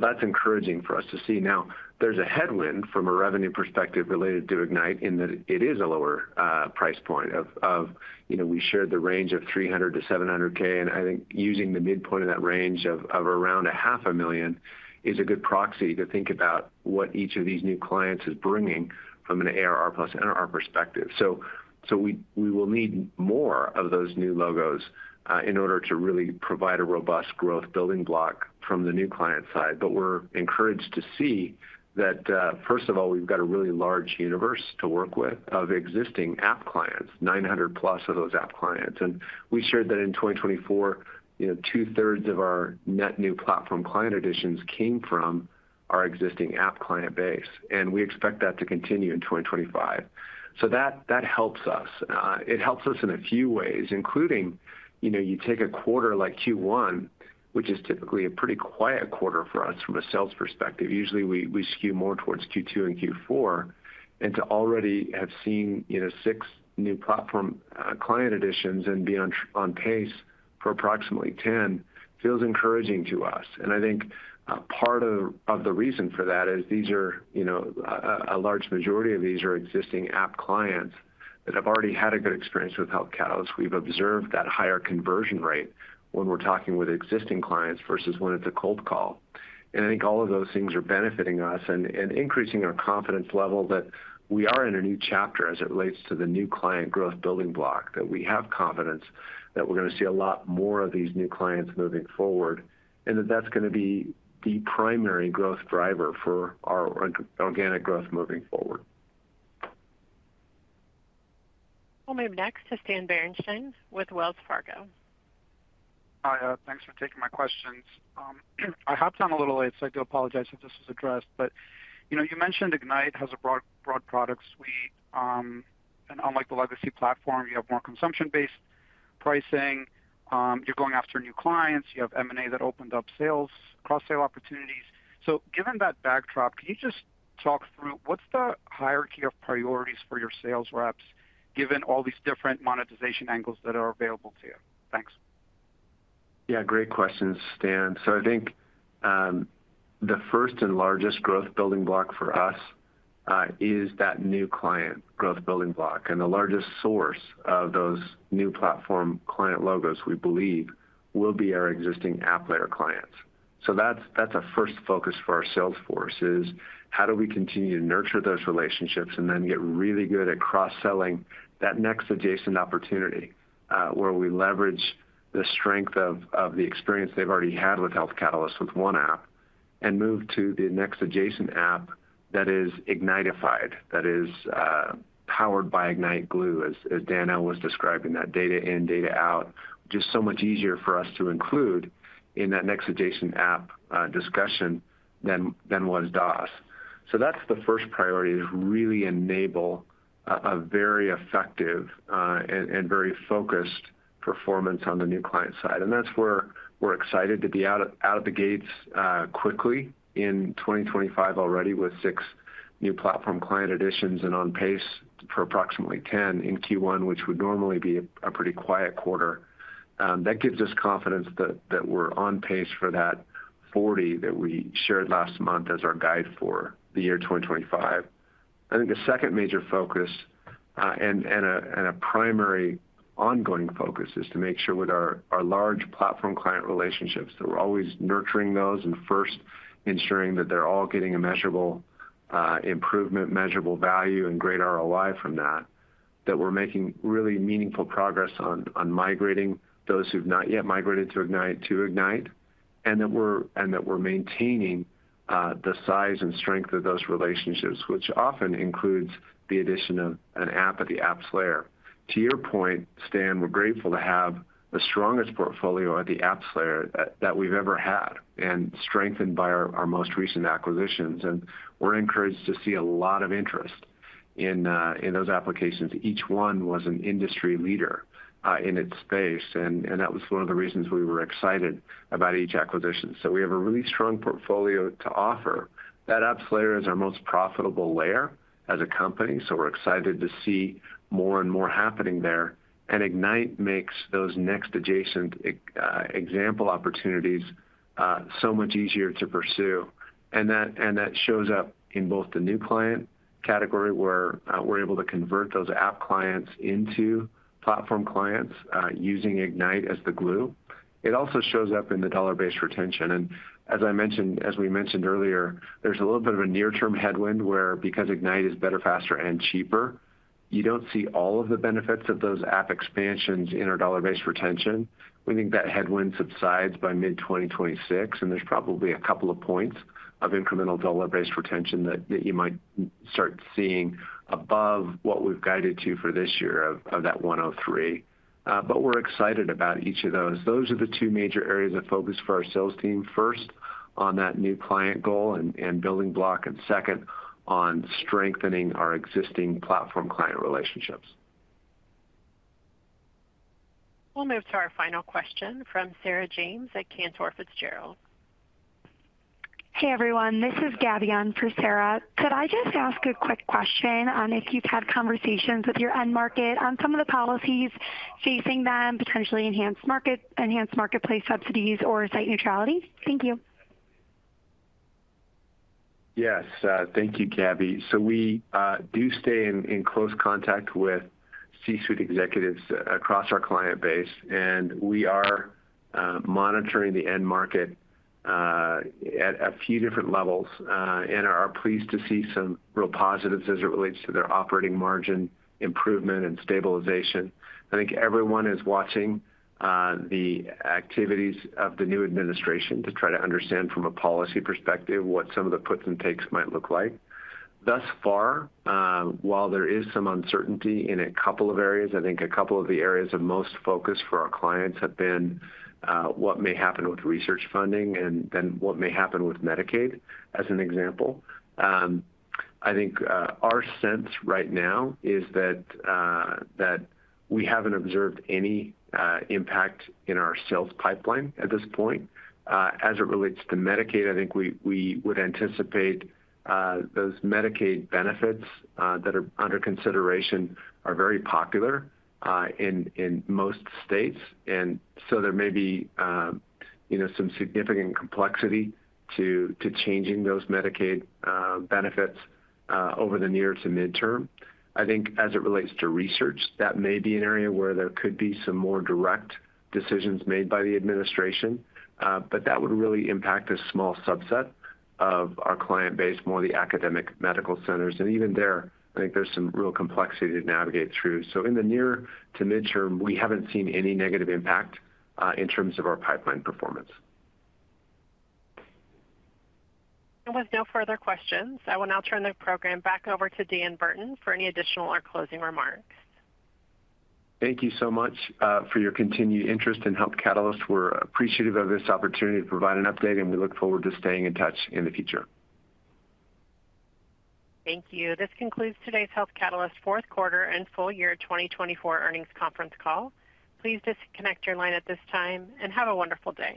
That's encouraging for us to see. Now, there's a headwind from a revenue perspective related to Ignite in that it is a lower price point of we shared the range of $300,000-$700,000. I think using the midpoint of that range of around $500,000 is a good proxy to think about what each of these new clients is bringing from an ARR plus NRR perspective. We will need more of those new logos in order to really provide a robust growth building block from the new client side. We are encouraged to see that, first of all, we have a really large universe to work with of existing app clients, 900-plus of those app clients. We shared that in 2024, two-thirds of our net new platform client additions came from our existing app client base. We expect that to continue in 2025. That helps us. It helps us in a few ways, including you take a quarter like Q1, which is typically a pretty quiet quarter for us from a sales perspective. Usually, we skew more towards Q2 and Q4. To already have seen six new platform client additions and be on pace for approximately 10 feels encouraging to us. I think part of the reason for that is a large majority of these are existing app clients that have already had a good experience with Health Catalyst. We've observed that higher conversion rate when we're talking with existing clients versus when it's a cold call. I think all of those things are benefiting us and increasing our confidence level that we are in a new chapter as it relates to the new client growth building block, that we have confidence that we're going to see a lot more of these new clients moving forward, and that that's going to be the primary growth driver for our organic growth moving forward. We'll move next to Stan Berenshteyn with Wells Fargo. Hi, thanks for taking my questions. I hopped on a little late, so I do apologize if this was addressed. You mentioned Ignite has a broad product suite. Unlike the legacy platform, you have more consumption-based pricing. You're going after new clients. You have M&A that opened up cross-sale opportunities. Given that backdrop, can you just talk through what's the hierarchy of priorities for your sales reps, given all these different monetization angles that are available to you? Thanks. Yeah, great questions, Stan. I think the first and largest growth building block for us is that new client growth building block. The largest source of those new platform client logos, we believe, will be our existing app layer clients. That's a first focus for our sales force is how do we continue to nurture those relationships and then get really good at cross-selling that next adjacent opportunity where we leverage the strength of the experience they've already had with Health Catalyst with one app and move to the next adjacent app that is Ignite-ified, that is powered by Ignite Glue, as Dan LeSueur was describing, that data in, data out, just so much easier for us to include in that next adjacent app discussion than was DOS. That's the first priority is really enable a very effective and very focused performance on the new client side. That's where we're excited to be out of the gates quickly in 2025 already with six new platform client additions and on pace for approximately 10 in Q1, which would normally be a pretty quiet quarter. That gives us confidence that we're on pace for that 40 that we shared last month as our guide for the year 2025. I think the second major focus and a primary ongoing focus is to make sure with our large platform client relationships that we're always nurturing those and first ensuring that they're all getting a measurable improvement, measurable value, and great ROI from that, that we're making really meaningful progress on migrating those who've not yet migrated to Ignite and that we're maintaining the size and strength of those relationships, which often includes the addition of an app at the apps layer. To your point, Stan, we're grateful to have the strongest portfolio at the apps layer that we've ever had and strengthened by our most recent acquisitions. We're encouraged to see a lot of interest in those applications. Each one was an industry leader in its space. That was one of the reasons we were excited about each acquisition. We have a really strong portfolio to offer. That apps layer is our most profitable layer as a company. We are excited to see more and more happening there. Ignite makes those next adjacent example opportunities so much easier to pursue. That shows up in both the new client category where we are able to convert those app clients into platform clients using Ignite as the glue. It also shows up in the dollar-based retention. As I mentioned, as we mentioned earlier, there is a little bit of a near-term headwind where because Ignite is better, faster, and cheaper, you do not see all of the benefits of those app expansions in our dollar-based retention. We think that headwind subsides by mid-2026. There is probably a couple of points of incremental dollar-based retention that you might start seeing above what we've guided to for this year of that 103. We are excited about each of those. Those are the two major areas of focus for our sales team, first on that new client goal and building block, and second on strengthening our existing platform client relationships. We will move to our final question from Sarah James at Cantor Fitzgerald. Hey, everyone. This is Gaby on for Sarah. Could I just ask a quick question on if you've had conversations with your end market on some of the policies facing them, potentially enhanced marketplace subsidies or site neutrality? Thank you. Yes, thank you, Gaby. We do stay in close contact with C-suite executives across our client base. We are monitoring the end market at a few different levels and are pleased to see some real positives as it relates to their operating margin improvement and stabilization. I think everyone is watching the activities of the new administration to try to understand from a policy perspective what some of the puts and takes might look like. Thus far, while there is some uncertainty in a couple of areas, I think a couple of the areas of most focus for our clients have been what may happen with research funding and then what may happen with Medicaid, as an example. I think our sense right now is that we have not observed any impact in our sales pipeline at this point. As it relates to Medicaid, I think we would anticipate those Medicaid benefits that are under consideration are very popular in most states. There may be some significant complexity to changing those Medicaid benefits over the near to midterm. I think as it relates to research, that may be an area where there could be some more direct decisions made by the administration. That would really impact a small subset of our client base, more the academic medical centers. Even there, I think there is some real complexity to navigate through. In the near to midterm, we have not seen any negative impact in terms of our pipeline performance. With no further questions, I will now turn the program back over to Dan Burton for any additional or closing remarks. Thank you so much for your continued interest in Health Catalyst. We are appreciative of this opportunity to provide an update, and we look forward to staying in touch in the future. Thank you. This concludes today's Health Catalyst fourth quarter and full year 2024 earnings conference call. Please disconnect your line at this time and have a wonderful day.